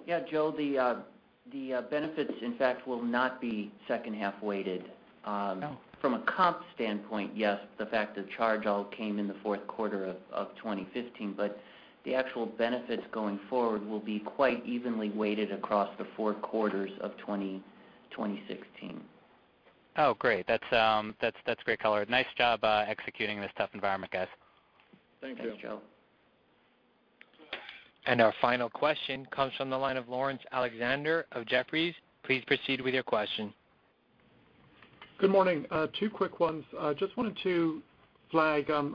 Yeah, Joe, the benefits, in fact, will not be second half weighted. Oh. From a comp standpoint, yes, the fact the charge all came in the fourth quarter of 2015, but the actual benefits going forward will be quite evenly weighted across the four quarters of 2016. Oh, great. That's great color. Nice job executing in this tough environment, guys. Thank you. Thanks, Joe. Our final question comes from the line of Laurence Alexander of Jefferies. Please proceed with your question. Good morning. Two quick ones. Just wanted to flag, on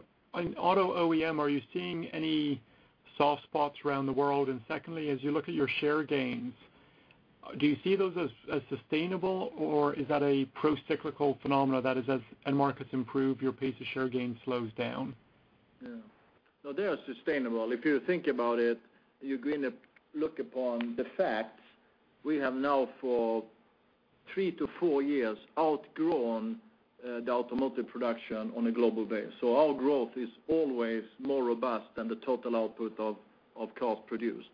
auto OEM, are you seeing any soft spots around the world? Secondly, as you look at your share gains, do you see those as sustainable, or is that a pro-cyclical phenomena that as end markets improve, your pace of share gains slows down? Yeah. No, they are sustainable. If you think about it, you're going to look upon the facts. We have now for three to four years outgrown the automotive production on a global base. Our growth is always more robust than the total output of cars produced.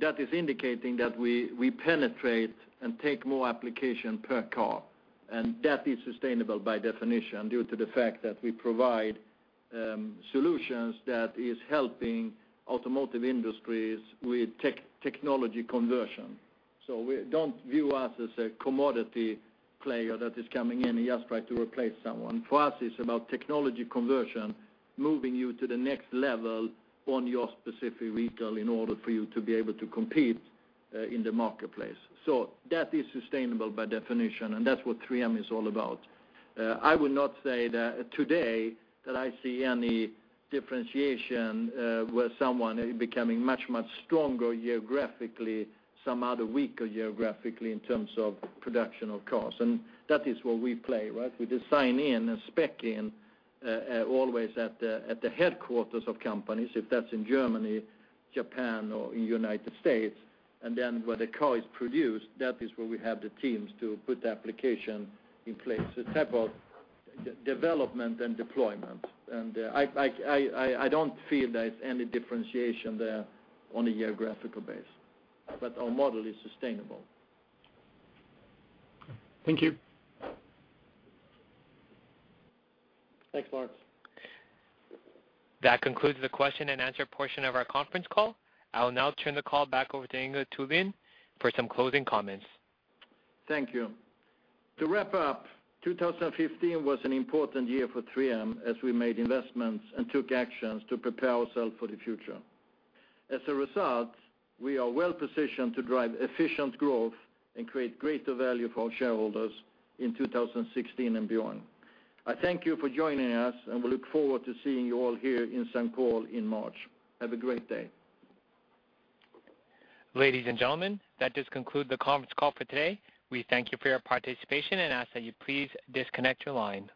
That is indicating that we penetrate and take more application per car, and that is sustainable by definition due to the fact that we provide solutions that is helping automotive industries with technology conversion. Don't view us as a commodity player that is coming in just trying to replace someone. For us, it's about technology conversion, moving you to the next level on your specific vehicle in order for you to be able to compete in the marketplace. That is sustainable by definition, and that's what 3M is all about. I would not say that today that I see any differentiation where someone is becoming much stronger geographically, some other weaker geographically in terms of production of cars. That is where we play. We design in and spec in always at the headquarters of companies, if that's in Germany, Japan, or in United States. Then where the car is produced, that is where we have the teams to put the application in place, the type of development and deployment. I don't feel there's any differentiation there on a geographical base. Our model is sustainable. Thank you. Thanks, Laurence. That concludes the question and answer portion of our conference call. I will now turn the call back over to Inge Thulin for some closing comments. Thank you. To wrap up, 2015 was an important year for 3M as we made investments and took actions to prepare ourselves for the future. As a result, we are well-positioned to drive efficient growth and create greater value for our shareholders in 2016 and beyond. I thank you for joining us, and we look forward to seeing you all here in St. Paul in March. Have a great day. Ladies and gentlemen, that does conclude the conference call for today. We thank you for your participation and ask that you please disconnect your line.